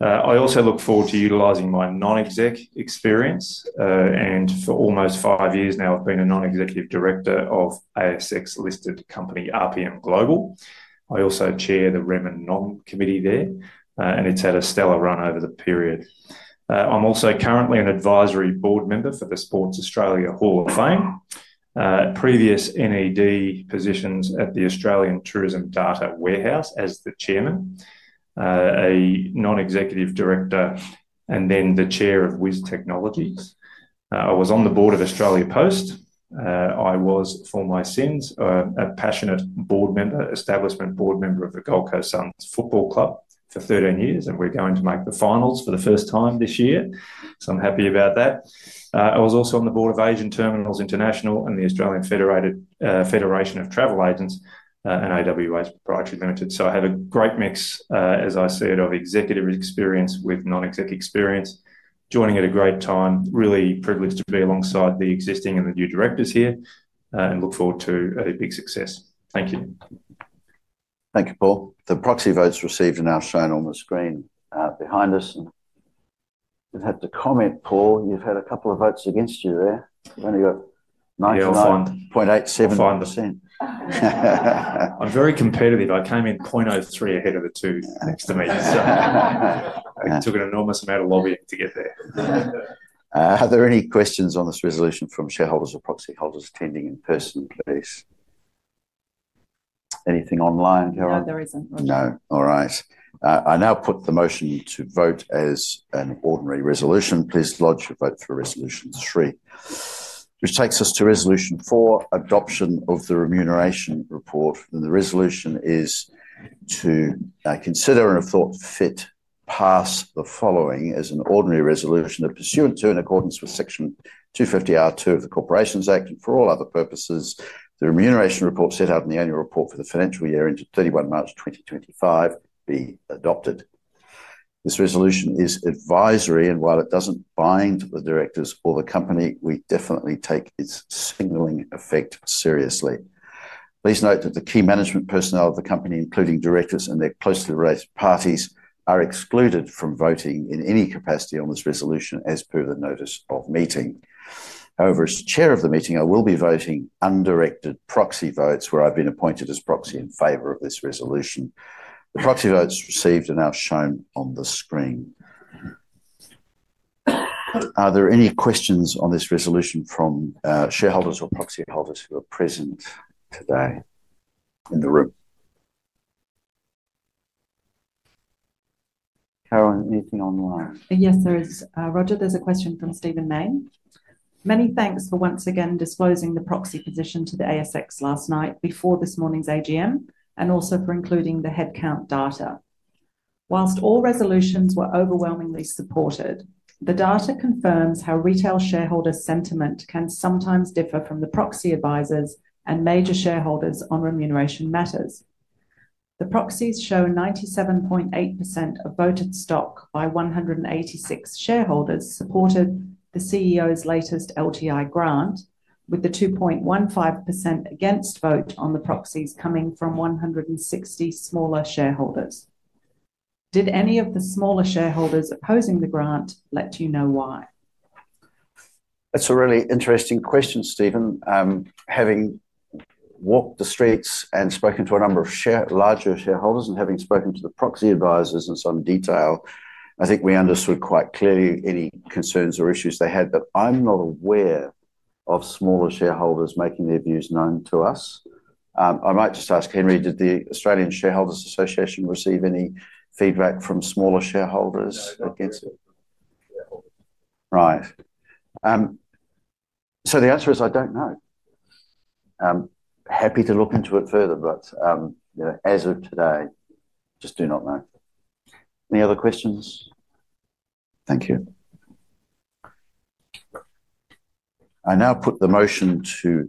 Speaker 8: I also look forward to utilizing my non-exec experience, and for almost five years now, I've been a non-executive director of ASX listed company RPM Global. I also chair the REM and NOM committee there, and it's had a stellar run over the period. I'm also currently an advisory board member for the Sports Australia Hall of Fame, with previous NED positions at the Australian Tourism Data Warehouse as the chairman, a non-executive director, and then the chair of Wiz Technologies. I was on the board of Australia Post. I was, for my sins, a passionate board member, establishment board member of the Gold Coast Suns Football Club for 13 years, and we're going to make the finals for the first time this year. I'm happy about that. I was also on the board of Asian Terminals International and the Australian Federation of Travel Agents and AWA's Proprietary Limited. I have a great mix, as I said, of executive experience with non-exec experience. Joining at a great time, really privileged to be alongside the existing and the new directors here, and look forward to a big success. Thank you.
Speaker 1: Thank you, Paul. The proxy votes received are now shown on the screen behind us. I have to comment, Paul, you've had a couple of votes against you there. We've only got. [unintelligible]
Speaker 2: 0.87 percent. I'm very competitive. I came in $0.03 ahead of the two next to me. I took an enormous amount of lobbying to get there.
Speaker 1: Are there any questions on this resolution from shareholders or proxy holders attending in person, please? Anything online, Carolyn?
Speaker 6: No, there isn't.
Speaker 1: No? All right. I now put the motion to vote as an ordinary resolution. Please lodge your vote for resolution three, which takes us to resolution four, adoption of the remuneration report. The resolution is to consider and, if thought fit, pass the following as an ordinary resolution that pursuant to and in accordance with section 250(a)(2) of the Corporations Act and for all other purposes, the remuneration report set out in the annual report for the financial year ended 31 March 2025 be adopted. This resolution is advisory, and while it doesn't bind the directors or the company, we definitely take its signaling effect seriously. Please note that the key management personnel of the company, including directors and their closely related parties, are excluded from voting in any capacity on this resolution as per the notice of meeting. However, as Chair of the meeting, I will be voting undirected proxy votes where I've been appointed as proxy in favor of this resolution. The proxy votes received are now shown on the screen. Are there any questions on this resolution from shareholders or proxy holders who are present today in the room? Carolyn, anything online?
Speaker 6: Yes, there is. Roger, there's a question from Stephen Main. Many thanks for once again disclosing the proxy position to the ASX last night before this morning's AGM and also for including the headcount data. Whilst all resolutions were overwhelmingly supported, the data confirms how retail shareholder sentiment can sometimes differ from the proxy advisors and major shareholders on remuneration matters. The proxies show 97.8% of voted stock by 186 shareholders supported the CEO's latest LTI grant, with the 2.15% against vote on the proxies coming from 160 smaller shareholders. Did any of the smaller shareholders opposing the grant let you know why?
Speaker 1: That's a really interesting question, Stephen. Having walked the streets and spoken to a number of larger shareholders and having spoken to the proxy advisors in some detail, I think we understood quite clearly any concerns or issues they had, but I'm not aware of smaller shareholders making their views known to us. I might just ask, Henry, did the Australian Shareholders Association receive any feedback from smaller shareholders against it? Right. The answer is I don't know. Happy to look into it further, but as of today, just do not know. Any other questions? Thank you. I now put the motion to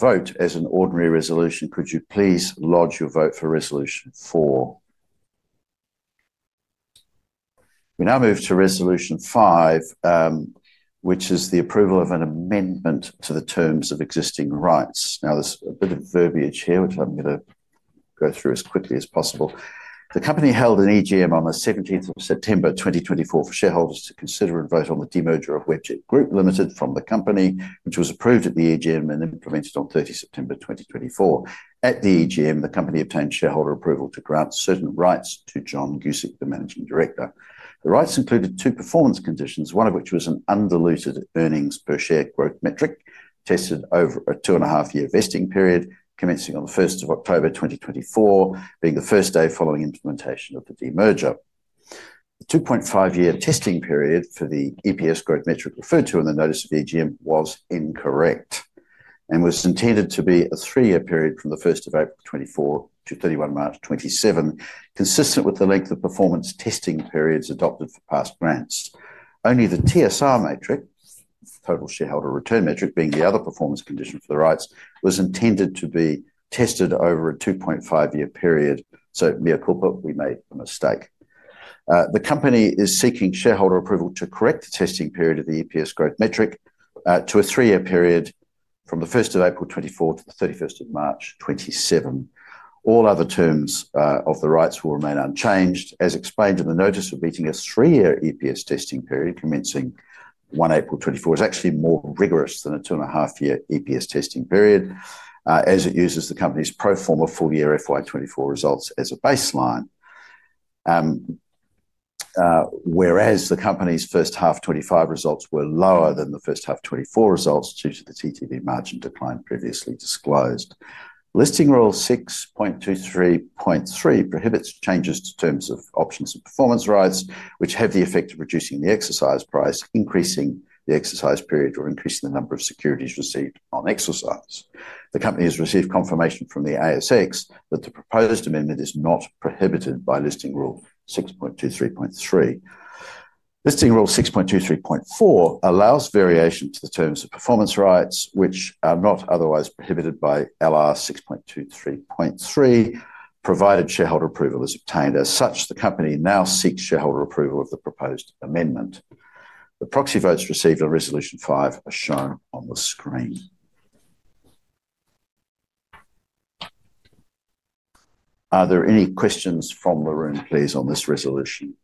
Speaker 1: vote as an ordinary resolution. Could you please lodge your vote for resolution 4? We now move to resolution 5, which is the approval of an amendment to the terms of existing rights. Now, there's a bit of verbiage here, which I'm going to go through as quickly as possible. The company held an AGM on the 17th of September 2024 for shareholders to consider and vote on the demerger of Webjet Group Limited from the company, which was approved at the AGM and implemented on 30 September 2024. At the AGM, the company obtained shareholder approval to grant certain rights to John Guscic, the Managing Director. The rights included two performance conditions, one of which was an underlying earnings per share growth metric tested over a two-and-a-half-year vesting period commencing on the 1st of October 2024, being the first day following implementation of the demerger. The 2.5-year testing period for the EPS growth metric referred to in the notice of AGM was incorrect and was intended to be a three-year period from the 1st of April 2024 to 31 March 2027, consistent with the length of performance testing periods adopted for past grants. Only the TSR metric, the total shareholder return metric being the other performance condition for the rights, was intended to be tested over a 2.5-year period. We made a mistake. The company is seeking shareholder approval to correct the testing period of the EPS growth metric to a three-year period from the 1st of April 2024 to the 31st of March 2027. All other terms of the rights will remain unchanged, as explained in the notice of meeting. A three-year EPS testing period commencing 1 April 2024 is actually more rigorous than a two-and-a-half-year EPS testing period, as it uses the company's pro forma full-year FY24 results as a baseline. Whereas the company's first half 2025 results were lower than the first half 2024 results due to the TTV margin decline previously disclosed. Listing Rule 6.23.3 prohibits changes to terms of options and performance rights, which have the effect of reducing the exercise price, increasing the exercise period, or increasing the number of securities received on exercise. The company has received confirmation from the ASX that the proposed amendment is not prohibited by Listing Rule 6.23.3. Listing Rule 6.23.4 allows variation to the terms of performance rights, which are not otherwise prohibited by LR 6.23.3, provided shareholder approval is obtained. As such, the company now seeks shareholder approval of the proposed amendment. The proxy votes received are resolution five, as shown on the screen. Are there any questions from the room, please, on this resolution?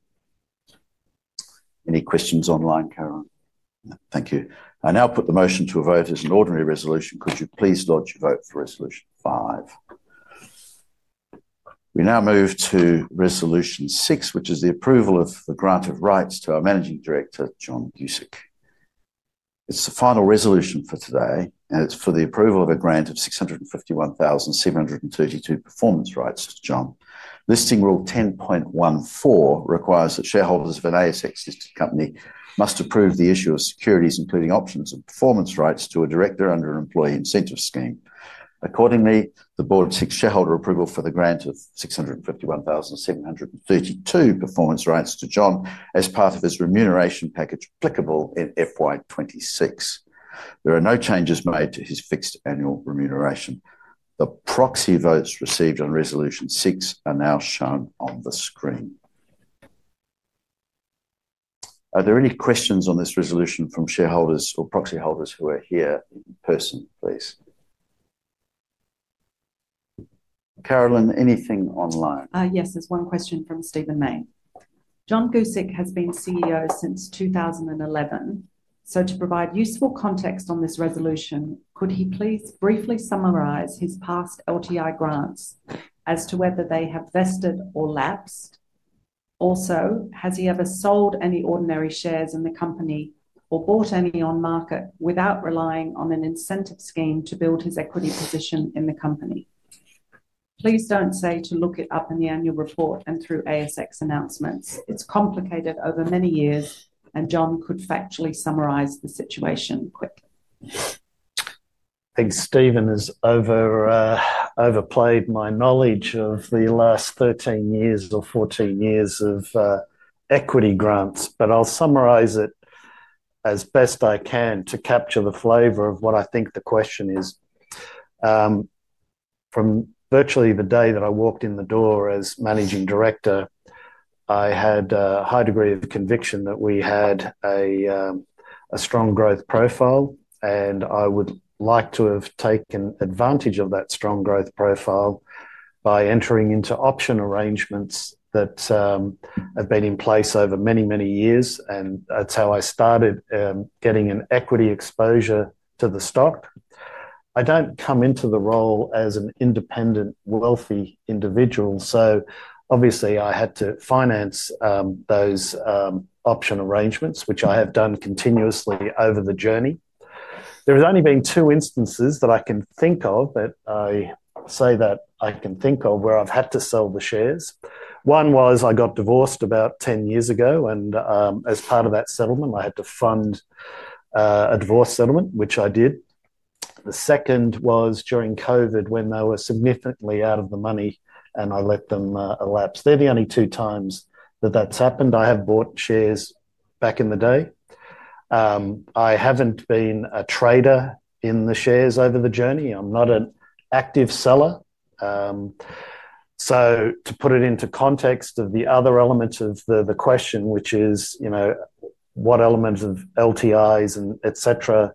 Speaker 1: Any questions online, Carolyn? Thank you. I now put the motion to vote as an ordinary resolution. Could you please lodge your vote for resolution five? We now move to resolution six, which is the approval of the grant of rights to our Managing Director, John Guscic. It's the final resolution for today, and it's for the approval of a grant of 651,732 performance rights to John. Listing Rule 10.14 requires that shareholders of an ASX listed company must approve the issue of securities, including options and performance rights, to a director under an employee incentive scheme. Accordingly, the board seeks shareholder approval for the grant of 651,732 performance rights to John as part of his remuneration package applicable in FY26. There are no changes made to his fixed annual remuneration. The proxy votes received on resolution six are now shown on the screen. Are there any questions on this resolution from shareholders or proxy holders who are here in person, please? Carolyn, anything online?
Speaker 6: Yes, there's one question from Stephen May. John Guscic has been CEO since 2011, so to provide useful context on this resolution, could he please briefly summarize his past LTI grants as to whether they have vested or lapsed? Also, has he ever sold any ordinary shares in the company or bought any on market without relying on an incentive scheme to build his equity position in the company? Please don't say to look it up in the annual report and through ASX announcements. It's complicated over many years, and John could factually summarize the situation quickly.
Speaker 2: I think Stephen has overplayed my knowledge of the last 13 years or 14 years of equity grants, but I'll summarize it as best I can to capture the flavor of what I think the question is. From virtually the day that I walked in the door as Managing Director, I had a high degree of conviction that we had a strong growth profile, and I would like to have taken advantage of that strong growth profile by entering into option arrangements that have been in place over many, many years, and that's how I started getting an equity exposure to the stock. I don't come into the role as an independent, wealthy individual, so obviously I had to finance those option arrangements, which I have done continuously over the journey. There have only been two instances that I can think of, that I say that I can think of, where I've had to sell the shares. One was I got divorced about 10 years ago, and as part of that settlement, I had to fund a divorce settlement, which I did. The second was during COVID when they were significantly out of the money, and I let them lapse. They're the only two times that that's happened. I have bought shares back in the day. I haven't been a trader in the shares over the journey. I'm not an active seller. To put it into context of the other elements of the question, which is, you know, what elements of LTIs and etc.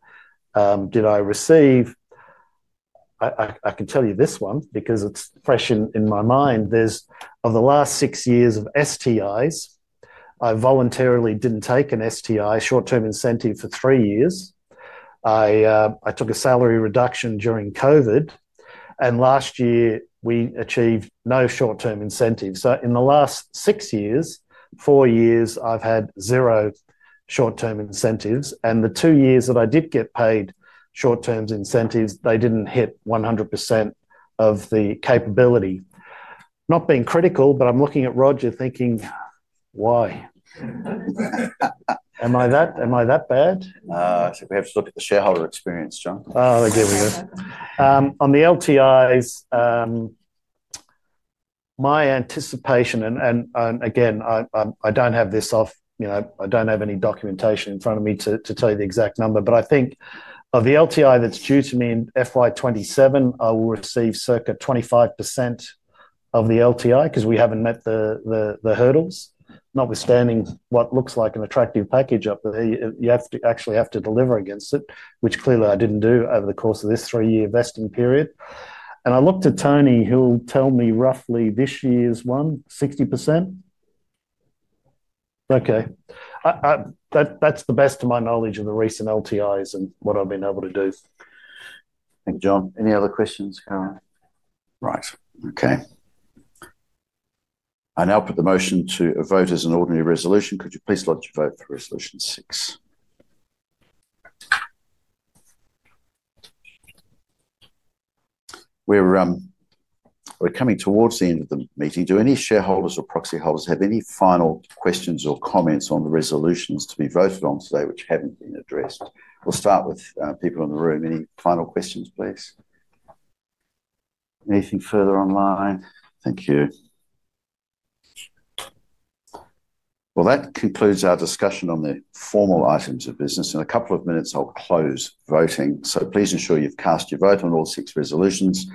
Speaker 2: did I receive? I can tell you this one because it's fresh in my mind. Of the last six years of STIs, I voluntarily didn't take an STI, short-term incentive for three years. I took a salary reduction during COVID, and last year we achieved no short-term incentives. In the last six years, four years I've had zero short-term incentives, and the two years that I did get paid short-term incentives, they didn't hit 100% of the capability. Not being critical, but I'm looking at Roger thinking, why? Am I that bad?
Speaker 1: I think we have to look at the shareholder experience, John.
Speaker 2: Oh, okay, we're good. On the LTIs, my anticipation, and again, I don't have this off, I don't have any documentation in front of me to tell you the exact number, but I think of the LTI that's due to me in FY27, I will receive circa 25% of the LTI because we haven't met the hurdles. Notwithstanding what looks like an attractive package up there, you actually have to deliver against it, which clearly I didn't do over the course of this three-year vesting period. I looked at Tony, who'll tell me roughly this year's one, 60%. Okay. That's the best to my knowledge of the recent LTIs and what I've been able to do.
Speaker 1: Thank you, John. Any other questions, Carolyn? Right. Okay. I now put the motion to vote as an ordinary resolution. Could you please lodge your vote for resolution six? We're coming towards the end of the meeting. Do any shareholders or proxy holders have any final questions or comments on the resolutions to be voted on today which haven't been addressed? We'll start with people in the room. Any final questions, please? Anything further online? Thank you. That concludes our discussion on the formal items of business. In a couple of minutes, I'll close voting. Please ensure you've cast your vote on all six resolutions.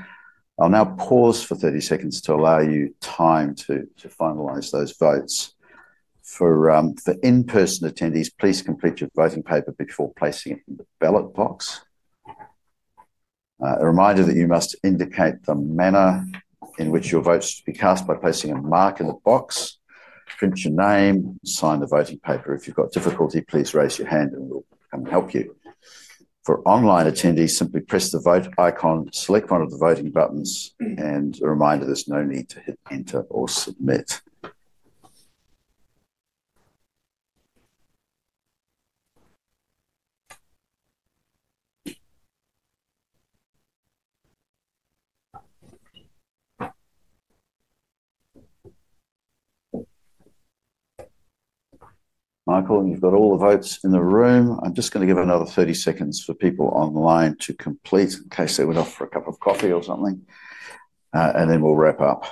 Speaker 1: I'll now pause for 30 seconds to allow you time to finalize those votes. For the in-person attendees, please complete your voting paper before placing it in the ballot box. A reminder that you must indicate the manner in which your vote should be cast by placing a mark in the box. Print your name, sign the voting paper. If you've got difficulty, please raise your hand and we'll come and help you. For online attendees, simply press the vote icon, select one of the voting buttons, and a reminder there's no need to hit enter or submit. Michael, you've got all the votes in the room. I'm just going to give another 30 seconds for people online to complete in case they went off for a cup of coffee or something, and then we'll wrap up.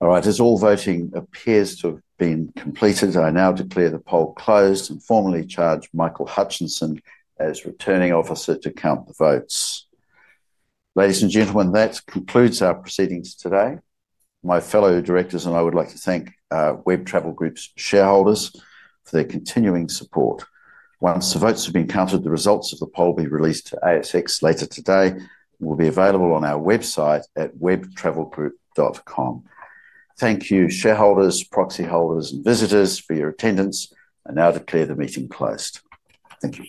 Speaker 1: All right, as all voting appears to have been completed, I now declare the poll closed and formally charge Michael Hutchinson as Returning Officer to count the votes. Ladies and gentlemen, that concludes our proceedings today. My fellow directors and I would like to thank Web Travel Group's shareholders for their continuing support. Once the votes have been counted, the results of the poll will be released to ASX later today and will be available on our website at webtravelgroup.com. Thank you, shareholders, proxy holders, and visitors for your attendance. I now declare the meeting closed. Thank you.